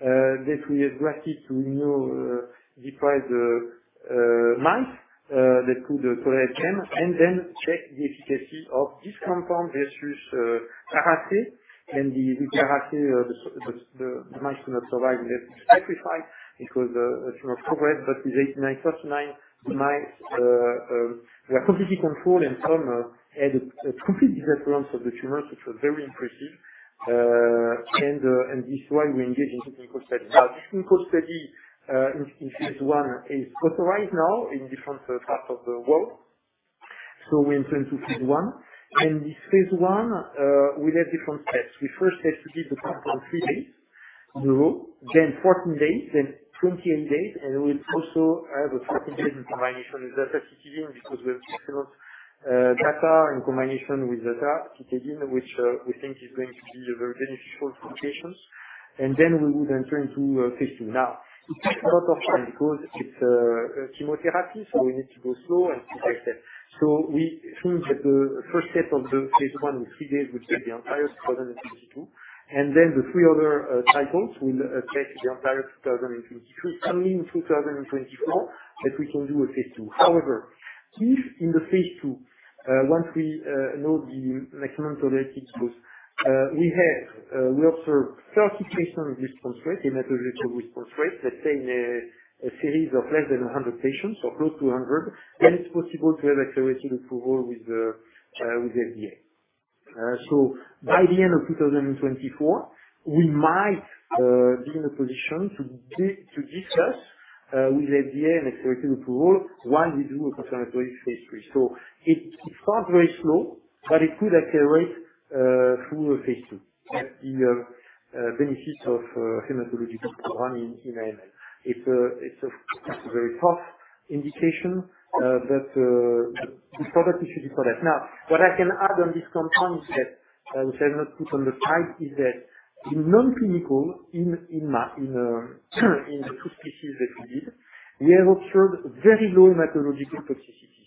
that we have grafted to immunodeficient mice that could tolerate chemo and then check the efficacy of this compound versus Ara-C. With Ara-C, the mice could not survive. We had to sacrifice because it's not progress. With AB8939, the mice were completely controlled and some had a complete disappearance of the tumors which was very impressive. This is why we engage in a clinical study. Now, the clinical study in Phase I is authorized now in different parts of the world. We enter into Phase I. This Phase I, we have different steps. The first step should be the compound three days in a row, then 14 days, then 28 days. We'll also have a 14 days in combination with ZD6474 because we have excellent data and combination with ZD6474 which we think is going to be a very beneficial for patients. We would enter into Phase II. Now, it takes a lot of time because it's a chemotherapy, so we need to go slow and be very careful. We think that the first step of the Phase I in three days would take the entire 2022. The three other cycles will affect the entire 2023. Early in 2024, that we can do a Phase II. However, if in Phase II, once we know the maximum tolerated dose, we observe 30 patients response rate, a metabolic response rate, let's say in a series of less than 100 patients or close to 100, then it's possible to have accelerated approval with the FDA. By the end of 2024, we might be in a position to discuss with FDA an accelerated approval while we do a confirmatory Phase III. It starts very slow, but it could accelerate through Phase II. That's the benefit of hematological one in AML. It's a very tough indication, but good product is a good product. Now, what I can add on this compound that I would have not put on the type is that in non-clinical, in the two species that we did, we have observed very low hematological toxicity,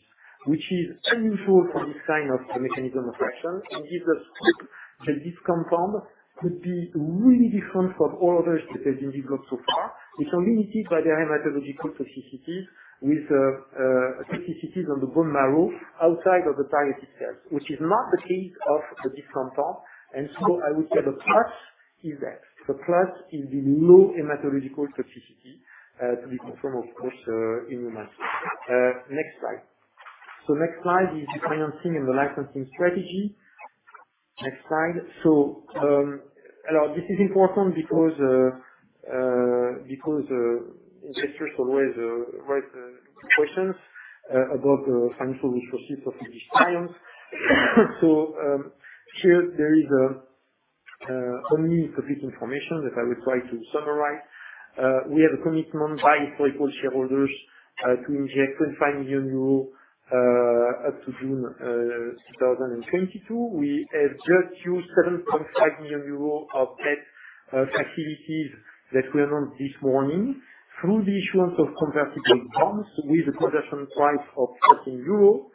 which is unusual for this kind of mechanism of action. It gives us hope that this compound could be really different from all other so far. It's only limited by the hematological toxicities with toxicities on the bone marrow outside of the targeted cells, which is not the case of the compound. I would say the plus is that. The plus is the low hematological toxicity. To be confirmed of course, in humans. Next slide. Next slide is the financing and the licensing strategy. Next slide. Now this is important because investors always raise questions about the financial resources of AB Science. Here there is only a bit of information that I will try to summarize. We have a commitment by three co-shareholders to inject 25 million euros up to June 2022. We have just used 7.5 million euros of debt facilities that we announced this morning through the issuance of convertible bonds with a conversion price of 13 euros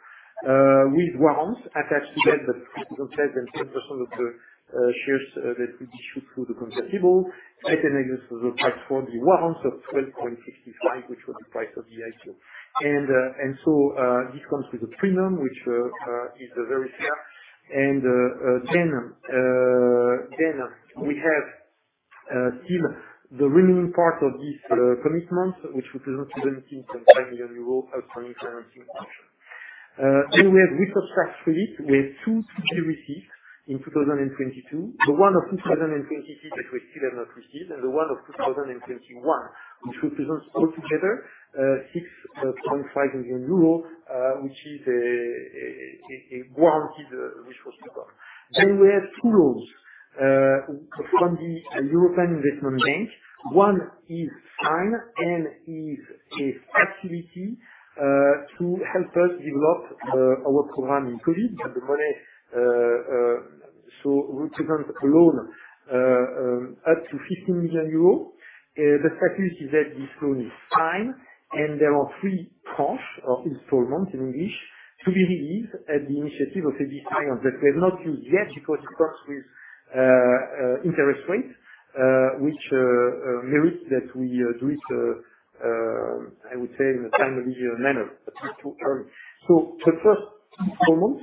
with warrants attached to that represent 10% of the shares that we issued through the convertible. I can use the price for the warrants of 12.65, which was the price of the IPO. This comes with a premium which is very clear. We have in the remaining part of this commitment, which represents 17.5 million euros of financing function. We have research tax for this. We have two to be received in 2022. The one of 2022 that we still have not received, and the one of 2021, which represents altogether 6.5 million euro, which is a guaranteed resource to come. We have two loans from the European Investment Bank. One is signed and is a facility to help us develop our program in COVID. But the money represents a loan up to 50 million euros. The status is that this loan is signed, and there are three tranches, or installments in English, to be released at the initiative of EIB that we have not used yet because it comes with interest rates which merit that we do it, I would say in a timely manner, but it's too early. The first installment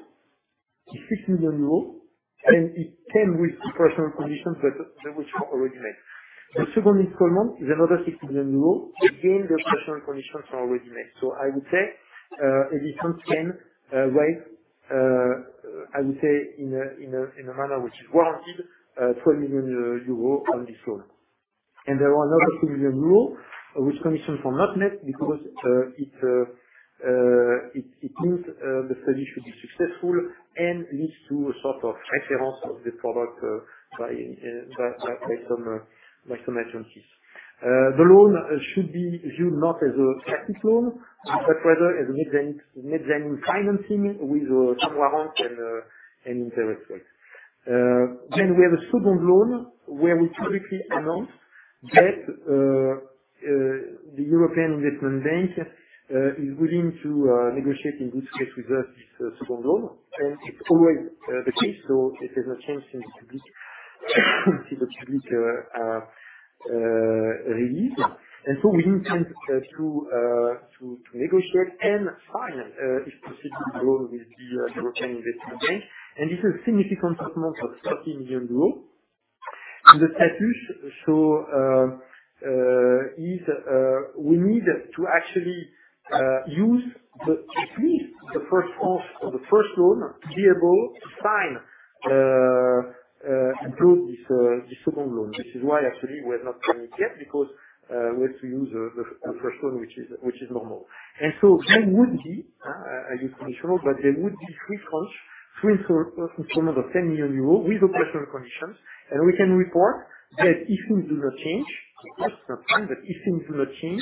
is 50 million euros, and it came with operational conditions that were already met. The second installment is another 50 million euros. Again, the operational conditions are already met. I would say EIB can raise, I would say in a manner which is warranted, 20 million euro on this loan. There are another 2 million euro which conditions were not met because it means the study should be successful and leads to a sort of reference of the product by some agencies. The loan should be viewed not as a classic loan, but rather as a mezzanine financing with some warrants and an interest rate. We have a second loan where we publicly announced that the European Investment Bank is willing to negotiate in good faith with us this second loan. It's always the case, so it has not changed since the public release. We intend to negotiate and sign, if possible, the loan with the European Investment Bank. This is a significant amount of 30 million EUR. The status is we need to actually use the first tranche of the first loan to be able to sign close this second loan. This is why actually we have not done it yet, because we have to use the first loan which is normal. There would be I use conditional, but there would be three tranches, three installments of 10 million euros with operational conditions. We can report that if things do not change, of course that's fine, but if things do not change,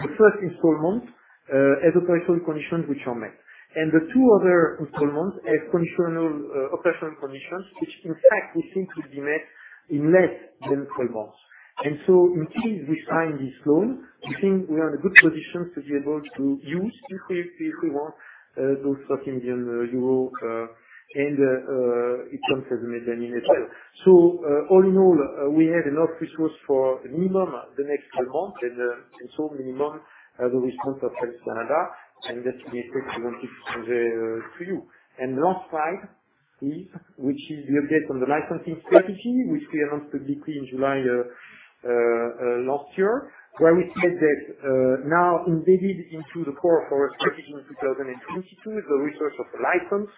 the first installment has operational conditions which are met. The two other installments have conditional operational conditions, which in fact we think will be met in less than three months. In case we sign this loan, we think we are in a good position to be able to use, if we want, those 30 million EUR, and it comes as a mezzanine in itself. All in all, we have enough resources for minimum the next three months and minimum the results of Phase III. That's the effect we wanted to do. Last slide please, which is the update on the licensing strategy, which we announced briefly in July last year, where we said that now embedded into the core of our strategy in 2022 is the resort to licensing,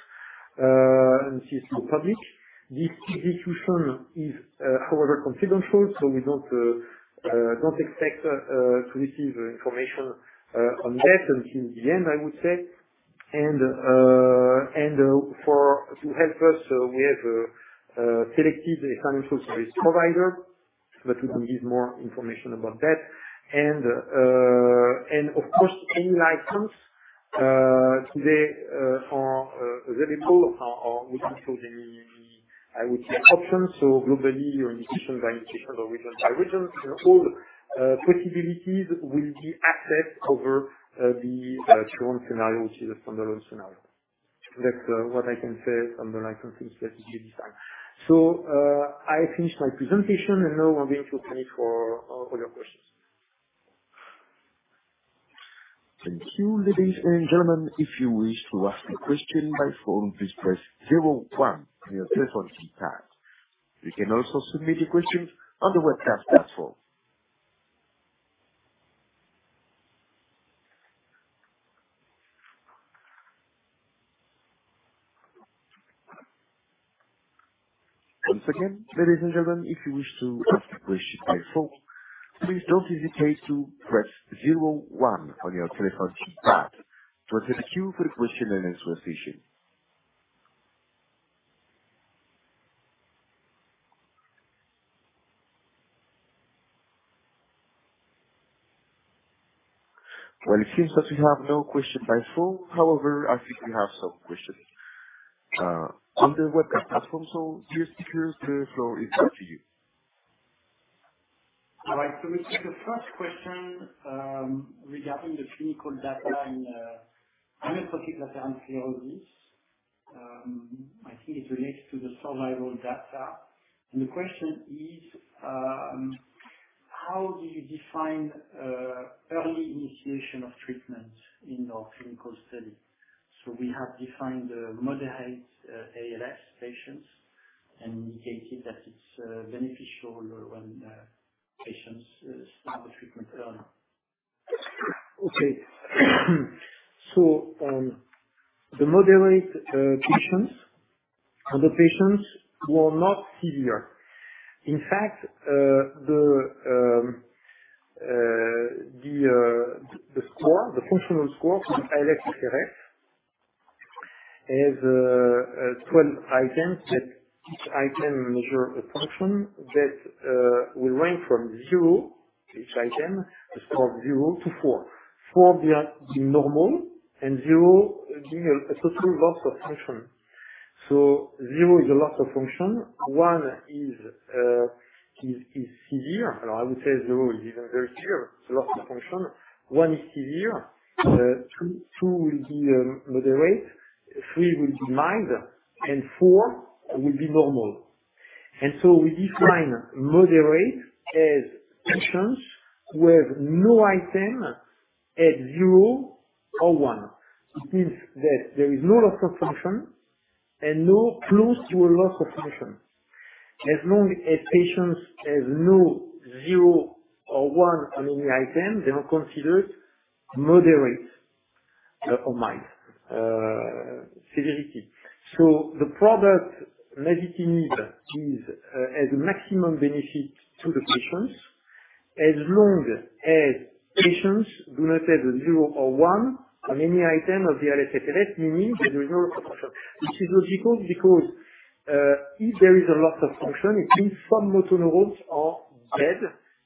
and this is to publish. This execution is, however, confidential, so we don't expect to receive information on that until the end, I would say. For to help us, we have selected a financial service provider, but we don't give more information about that. Of course, any license today are available or we can show the options. Globally or indication by indication or region by region. All the possibilities will be assessed over the current scenario, which is a standalone scenario. That's what I can say on the licensing strategy this time. I finish my presentation, and now I'm open to all your questions. Thank you, ladies and gentlemen. If you wish to ask a question by phone, please press zero-one on your telephone keypad. You can also submit a question on the webcast platform. Once again, ladies and gentlemen, if you wish to ask a question by phone, please don't hesitate to press zero-one on your telephone keypad to receive a queue for the question and instruction. Well, it seems that we have no question by phone. However, I think we have some questions on the webcast platform. Dear speakers, the floor is yours to you. All right. We take the first question regarding the clinical data and amyotrophic lateral sclerosis. I think it relates to the survival data. The question is how do you define early initiation of treatment in your clinical study? We have defined moderate ALS patients, and you indicated that it's beneficial when patients start the treatment early. Okay. The moderate patients are the patients who are not severe. In fact, the score, the functional score from ALSFRS is 12 items that each item measure a function that will rank from zero, each item scored zero to four. Four being normal and zero being a total loss of function. Zero is a loss of function. One is severe. I would say zero is even very severe. It is a loss of function. One is severe, two will be moderate, three will be minor, and four will be normal. We define moderate as patients who have no item at zero or one. It means that there is no loss of function and no close to a loss of function. As long as patients has no zeor or one on any item, they are considered moderate or mild severity. The product masitinib has a maximum benefit to the patients as long as patients do not have zero or one on any item of the ALSFRS, meaning there is no loss of function. Which is logical because if there is a loss of function, it means some motor neurons are dead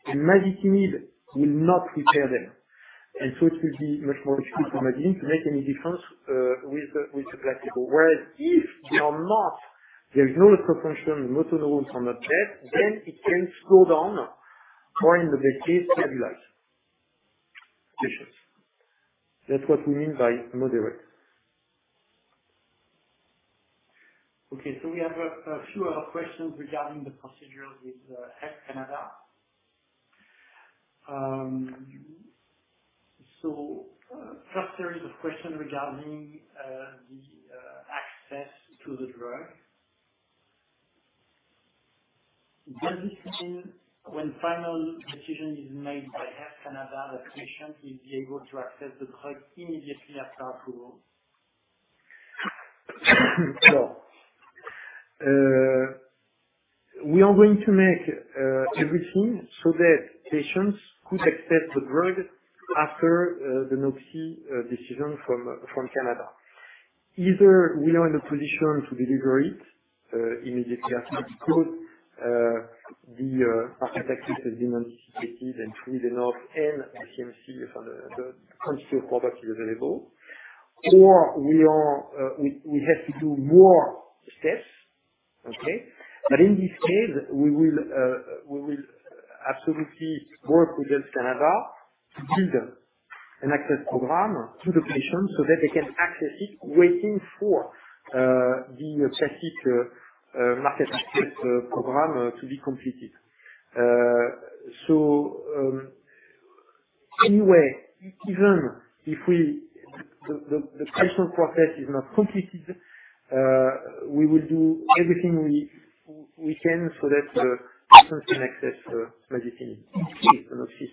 and masitinib will not repair them. It will be much more difficult for masitinib to make any difference with the placebo. Whereas if they are not, there's no loss of function, motor neurons are not dead, then it can slow down or in the best case stabilize patients. That's what we mean by moderate. Okay. We have a few other questions regarding the procedure with Health Canada. First series of question regarding the access to the drug. Does it mean when final decision is made by Health Canada that patients will be able to access the drug immediately after approval? We are going to make everything so that patients could access the drug after the NOC/c decision from Canada. Either we are in a position to deliver it immediately after it's approved. The architecture has been anticipated and through the NOC/c and CMC, the country product is available. Or we have to do more steps. In this case, we will absolutely work with Health Canada to build an access program to the patients so that they can access it waiting for the classic market access program to be completed. Anyway, even if we... The patient process is not completed. We will do everything we can so that the patients can access masitinib if the NOC is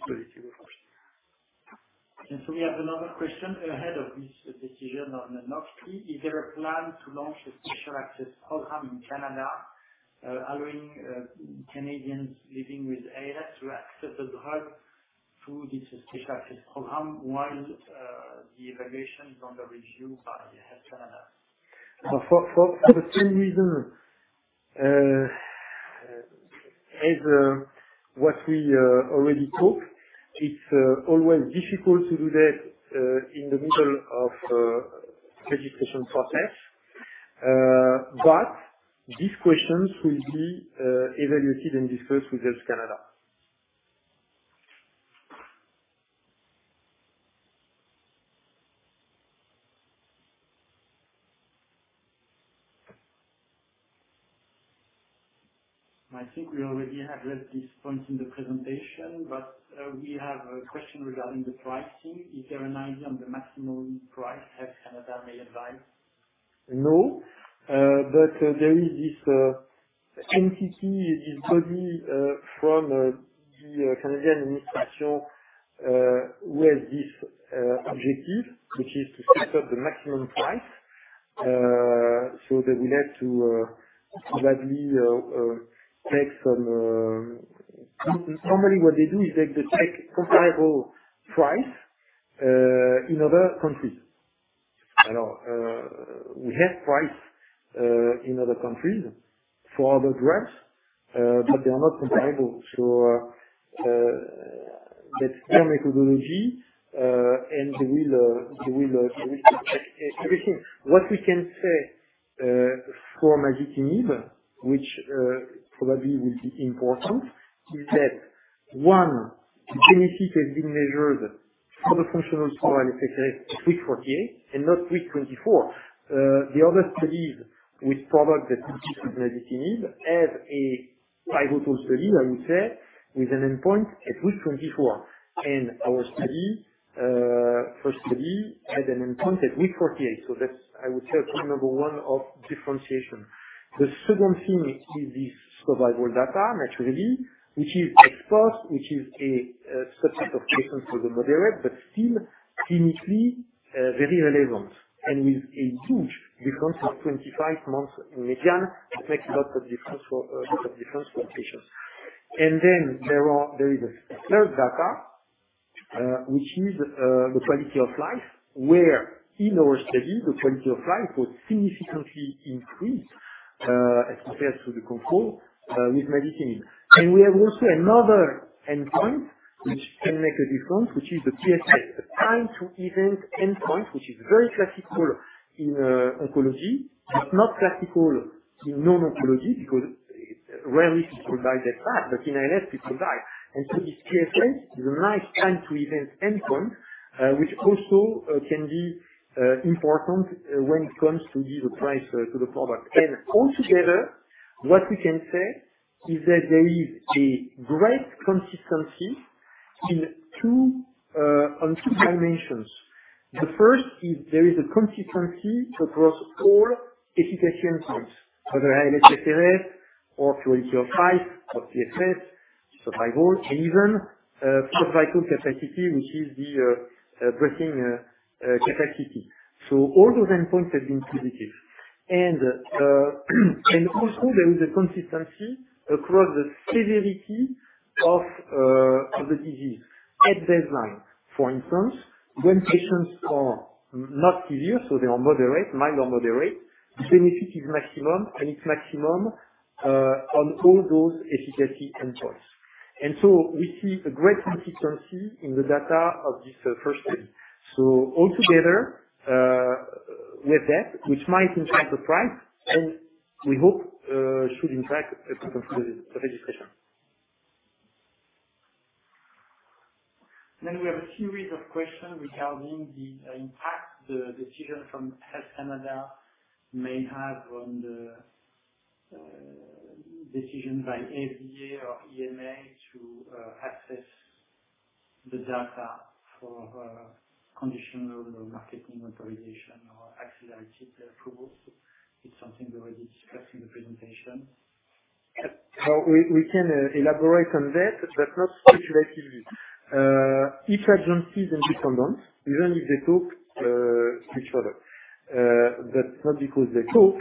positive, of course. We have another question ahead of this decision on the NOC/c. Is there a plan to launch a special access program in Canada, allowing Canadians living with ALS to access the drug through this special access program while the evaluation is under review by Health Canada? For the same reason as what we already talked. It's always difficult to do that in the middle of registration process. But these questions will be evaluated and discussed with Health Canada. I think we already addressed this point in the presentation, but we have a question regarding the pricing. Is there an idea on the maximum price Health Canada may advise? No. There is this entity, this body from the Canadian administration with this objective, which is to set up the maximum price. They will have to probably take some. Normally what they do is they take comparable price in other countries. You know, we have price in other countries for other drugs, but they are not comparable. That's their methodology, and they will everything. What we can say for masitinib, which probably will be important, is that one benefit has been measured for the functional for ALSFRS week 48 and not week 24. The other studies with product that compete with masitinib have a pivotal study, I would say, with an endpoint at week 24. Our first study had an endpoint at week 48. That's I would say point number one of differentiation. The second thing is the survival data, naturally, which is exposed, which is a subset of patients with moderate but still clinically very relevant. With a huge difference of 25 months in median, it makes a lot of difference for patients. There is third data, which is the quality of life, where in our study, the quality of life was significantly increased as opposed to the control with masitinib. We have also another endpoint which can make a difference, which is the PFS, the time to event endpoint, which is very classical in oncology, but not classical in non-oncology because rarely people die that fast. In ALS, people die. This PFS is a nice time to event endpoint, which also can be important when it comes to give a price to the product. Altogether, what we can say is that there is a great consistency in two on two dimensions. The first is there is a consistency across all efficacy endpoints, whether ALSFRS or quality of life or PFS, survival, and even physical capacity, which is the breathing capacity. All those endpoints have been positive. There is a consistency across the severity of the disease at baseline. For instance, when patients are not severe, so they are mild or moderate, benefit is maximum, and it's maximum on all those efficacy endpoints. We see a great consistency in the data of this first study. Altogether, with that, which might impact the price, and we hope should impact the registration. We have a series of questions regarding the impact the decision from Health Canada may have on the decision by FDA or EMA to access the data for conditional or marketing authorization or accelerated approval. It's something we already discussed in the presentation. We can elaborate on that, but not speculatively. Each agency is independent, even if they talk to each other. That's not because they talk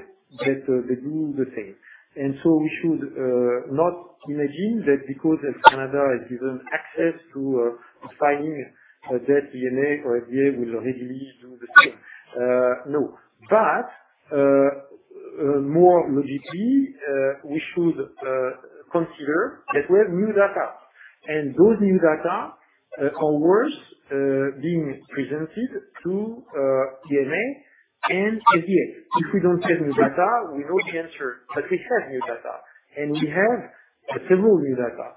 that they do the same. We should not imagine that because Health Canada is given access to findings that EMA or FDA will readily do the same. No. More logically, we should consider that we have new data. Those new data are worth being presented to EMA and FDA. If we don't have new data, we know the answer. We have new data, and we have several new data.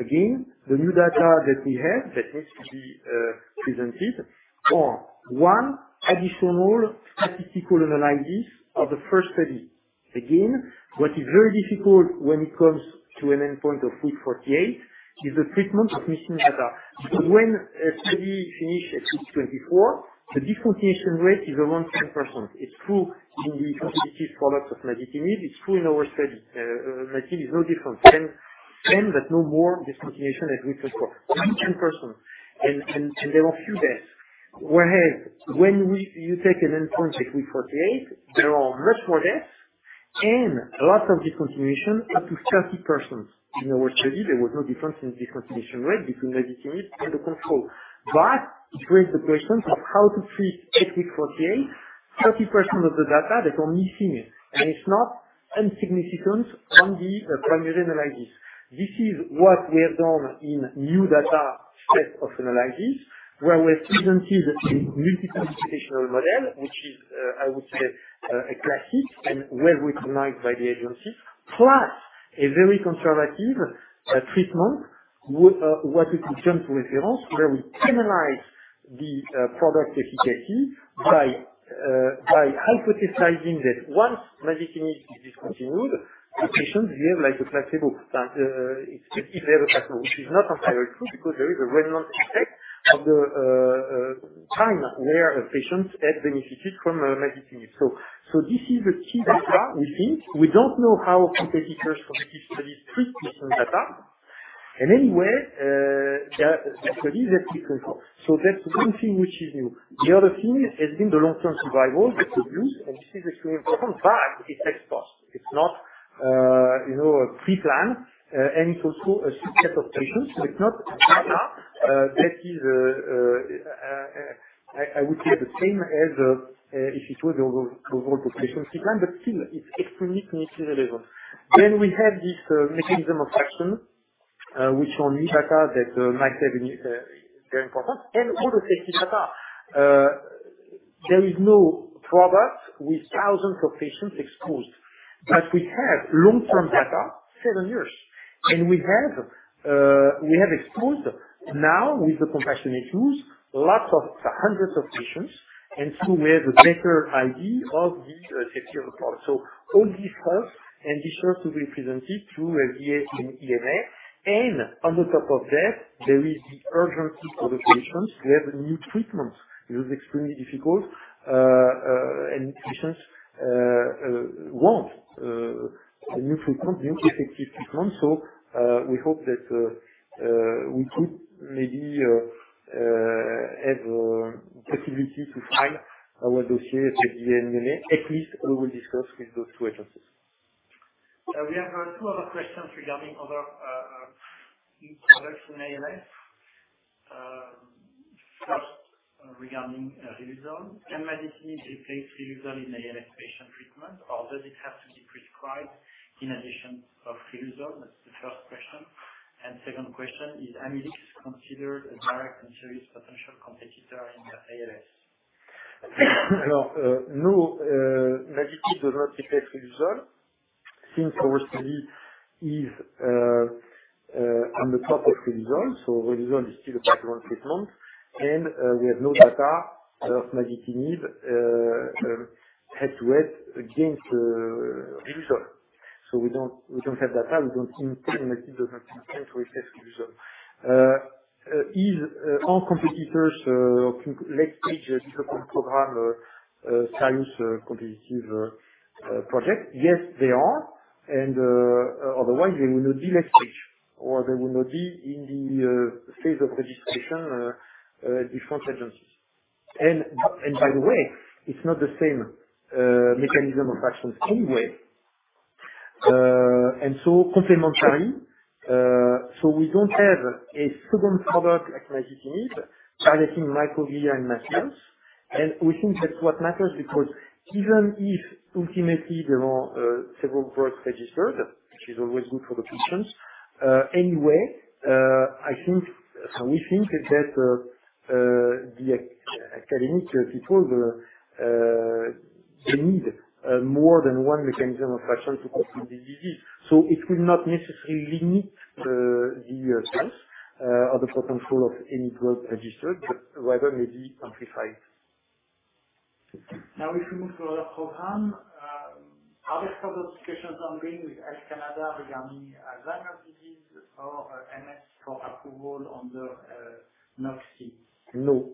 Again, the new data that we have that needs to be presented are one additional statistical analysis of the first study. Again, what is very difficult when it comes to an endpoint of week 48 is the treatment of missing data. Because when a study finish at week 24, the discontinuation rate is around 10%. It's true in the competitive products of masitinib, it's true in our study. Masitinib is no different. 10 but no more discontinuation at week 24. Only 10%. There are few deaths. Whereas when you take an endpoint at week 48, there are much more deaths and lots of discontinuation, up to 30%. In our study, there was no difference in discontinuation rate between masitinib and the control. It raised the question of how to treat at week 48 30% of the data that are missing, and it's not insignificant on the primary analysis. This is what we have done in new data set of analysis where we've used a multi-computational model, which is, I would say, a classic and well-recognized by the agency. Plus a very conservative treatment, what we call jump-to-reference where we penalize the product efficacy by hypothesizing that once masitinib is discontinued, the patients behave like a placebo. That if they have a placebo, which is not entirely true because there is a remnant effect of the time where patients had benefited from masitinib. This is the key data we think. We don't know how competitors from the key studies treat patient data. Anyway, this is a key control. That's one thing which is new. The other thing has been the long-term survival with BLU-263, and this is extremely important. It's exposed. It's not a pre-planned, and it's also a subset of patients, so it's not data. That is, I would say the same as if it was the overall population plan, but still it's extremely clinically relevant. We have this mechanism of action, which on new data that masitinib is very important and all the safety data. There is no product with thousands of patients exposed. We have long-term data, seven years. We have exposed now with the compassionate use, hundreds of patients and so we have a better idea of the safety profile. All this helps and this shall be presented through the FDA and EMA. On the top of that there is the urgency for the patients to have new treatments. It is extremely difficult, and patients want a new treatment, new effective treatment. We hope that we could maybe have possibility to file our dossier at the EMA. At least we will discuss with those two agencies. We have two other questions regarding other products for ALS. First regarding risdiplam. Can masitinib replace risdiplam in ALS patient treatment or does it have to be prescribed in addition to risdiplam? That's the first question. Second question, is Amylyx considered a direct and serious potential competitor in the ALS? No, no. Masitinib does not replace riluzole since riluzole is on top of riluzole. Riluzole is still the background treatment. We have no data of masitinib head to head against riluzole. We don't have data. We don't think masitinib does not compete with riluzole. Are all competitors late stage in second-line program in this competitive project? Yes, they are. Otherwise they will not be late stage or they will not be in the phase of registration different agencies. By the way, it's not the same mechanism of action anyway. Complementary. We don't have a second product like masitinib targeting microglia and macrophages. We think that's what matters because even if ultimately there are several products registered, which is always good for the patients. Anyway, I think. So we think that the academic people, they need more than one mechanism of action to completely ease. It will not necessarily limit the sales or the potential of any drug registered, but rather maybe amplify it. Now, if we move to our program, are there further discussions ongoing with Health Canada regarding Alzheimer's disease or MS for approval under NOC/c? No.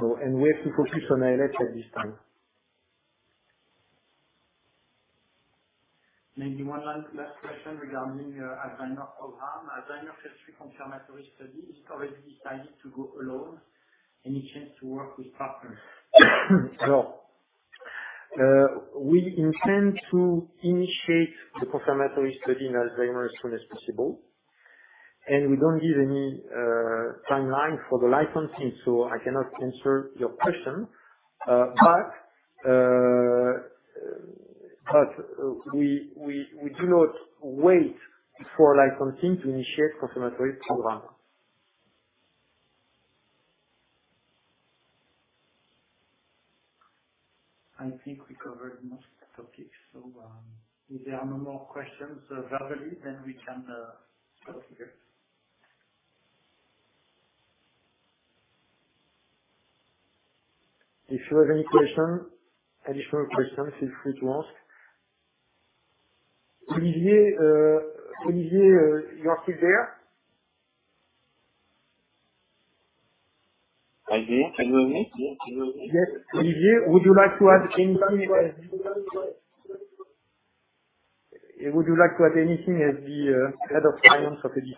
No, we have to focus on ALS at this time. Maybe one last question regarding Alzheimer's program. Alzheimer's has three confirmatory studies. Is it already decided to go alone? Any chance to work with partners? We intend to initiate the confirmatory study in Alzheimer's as soon as possible. We don't give any timeline for the licensing, so I cannot answer your question. But we do not wait for licensing to initiate confirmatory program. I think we covered most topics. If there are no more questions verbally then we can conclude. If you have any question, additional questions, feel free to ask. Olivier, you are still there? I'm here. Can you hear me? Yes. Olivier, would you like to add anything as the head of the Scientific Committee?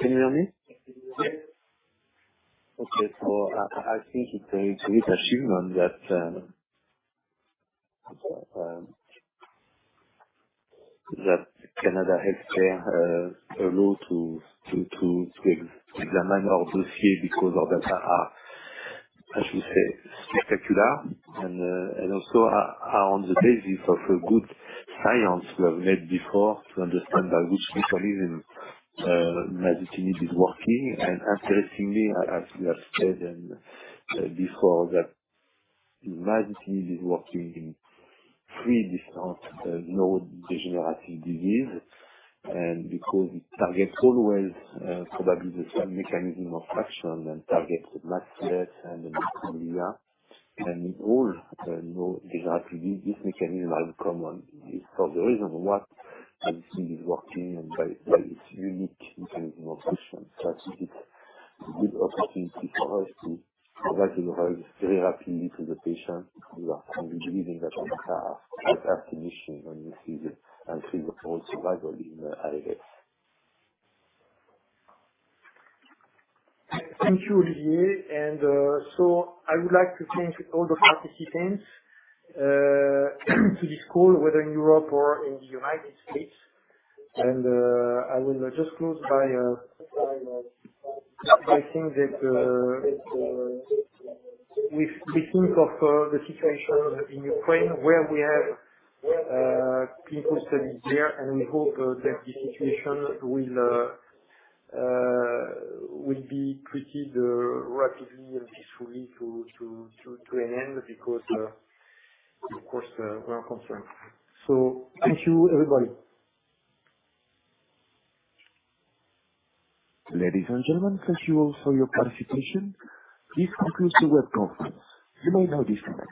Can you hear me? Yes. I think it's an achievement that Canada has allowed to examine our dossier because our data are spectacular and also are on the basis of a good science we have made before to understand by which mechanism masitinib is working. Interestingly, as we have said before that masitinib is working in three different neurodegenerative disease. Because it targets always probably the same mechanism of action and targets the macrophages and the microglia, and in all the neurodegenerative disease this mechanism are the common. It's for the reason why masitinib is working and by its unique mechanism of action. I think it's a good opportunity for us to provide the right therapy to the patient. We are strongly believing that our data with our compound and we see the increased overall survival in the ALS. Thank you, Olivier. I would like to thank all the participants to this call, whether in Europe or in the United States. I will just close by saying that, thinking of the situation in Ukraine, where we have people studying there, and we hope that the situation will be treated rapidly and peacefully to an end because we of course are concerned. Thank you, everybody. Ladies and gentlemen, thank you all for your participation. This concludes the web conference. You may now disconnect.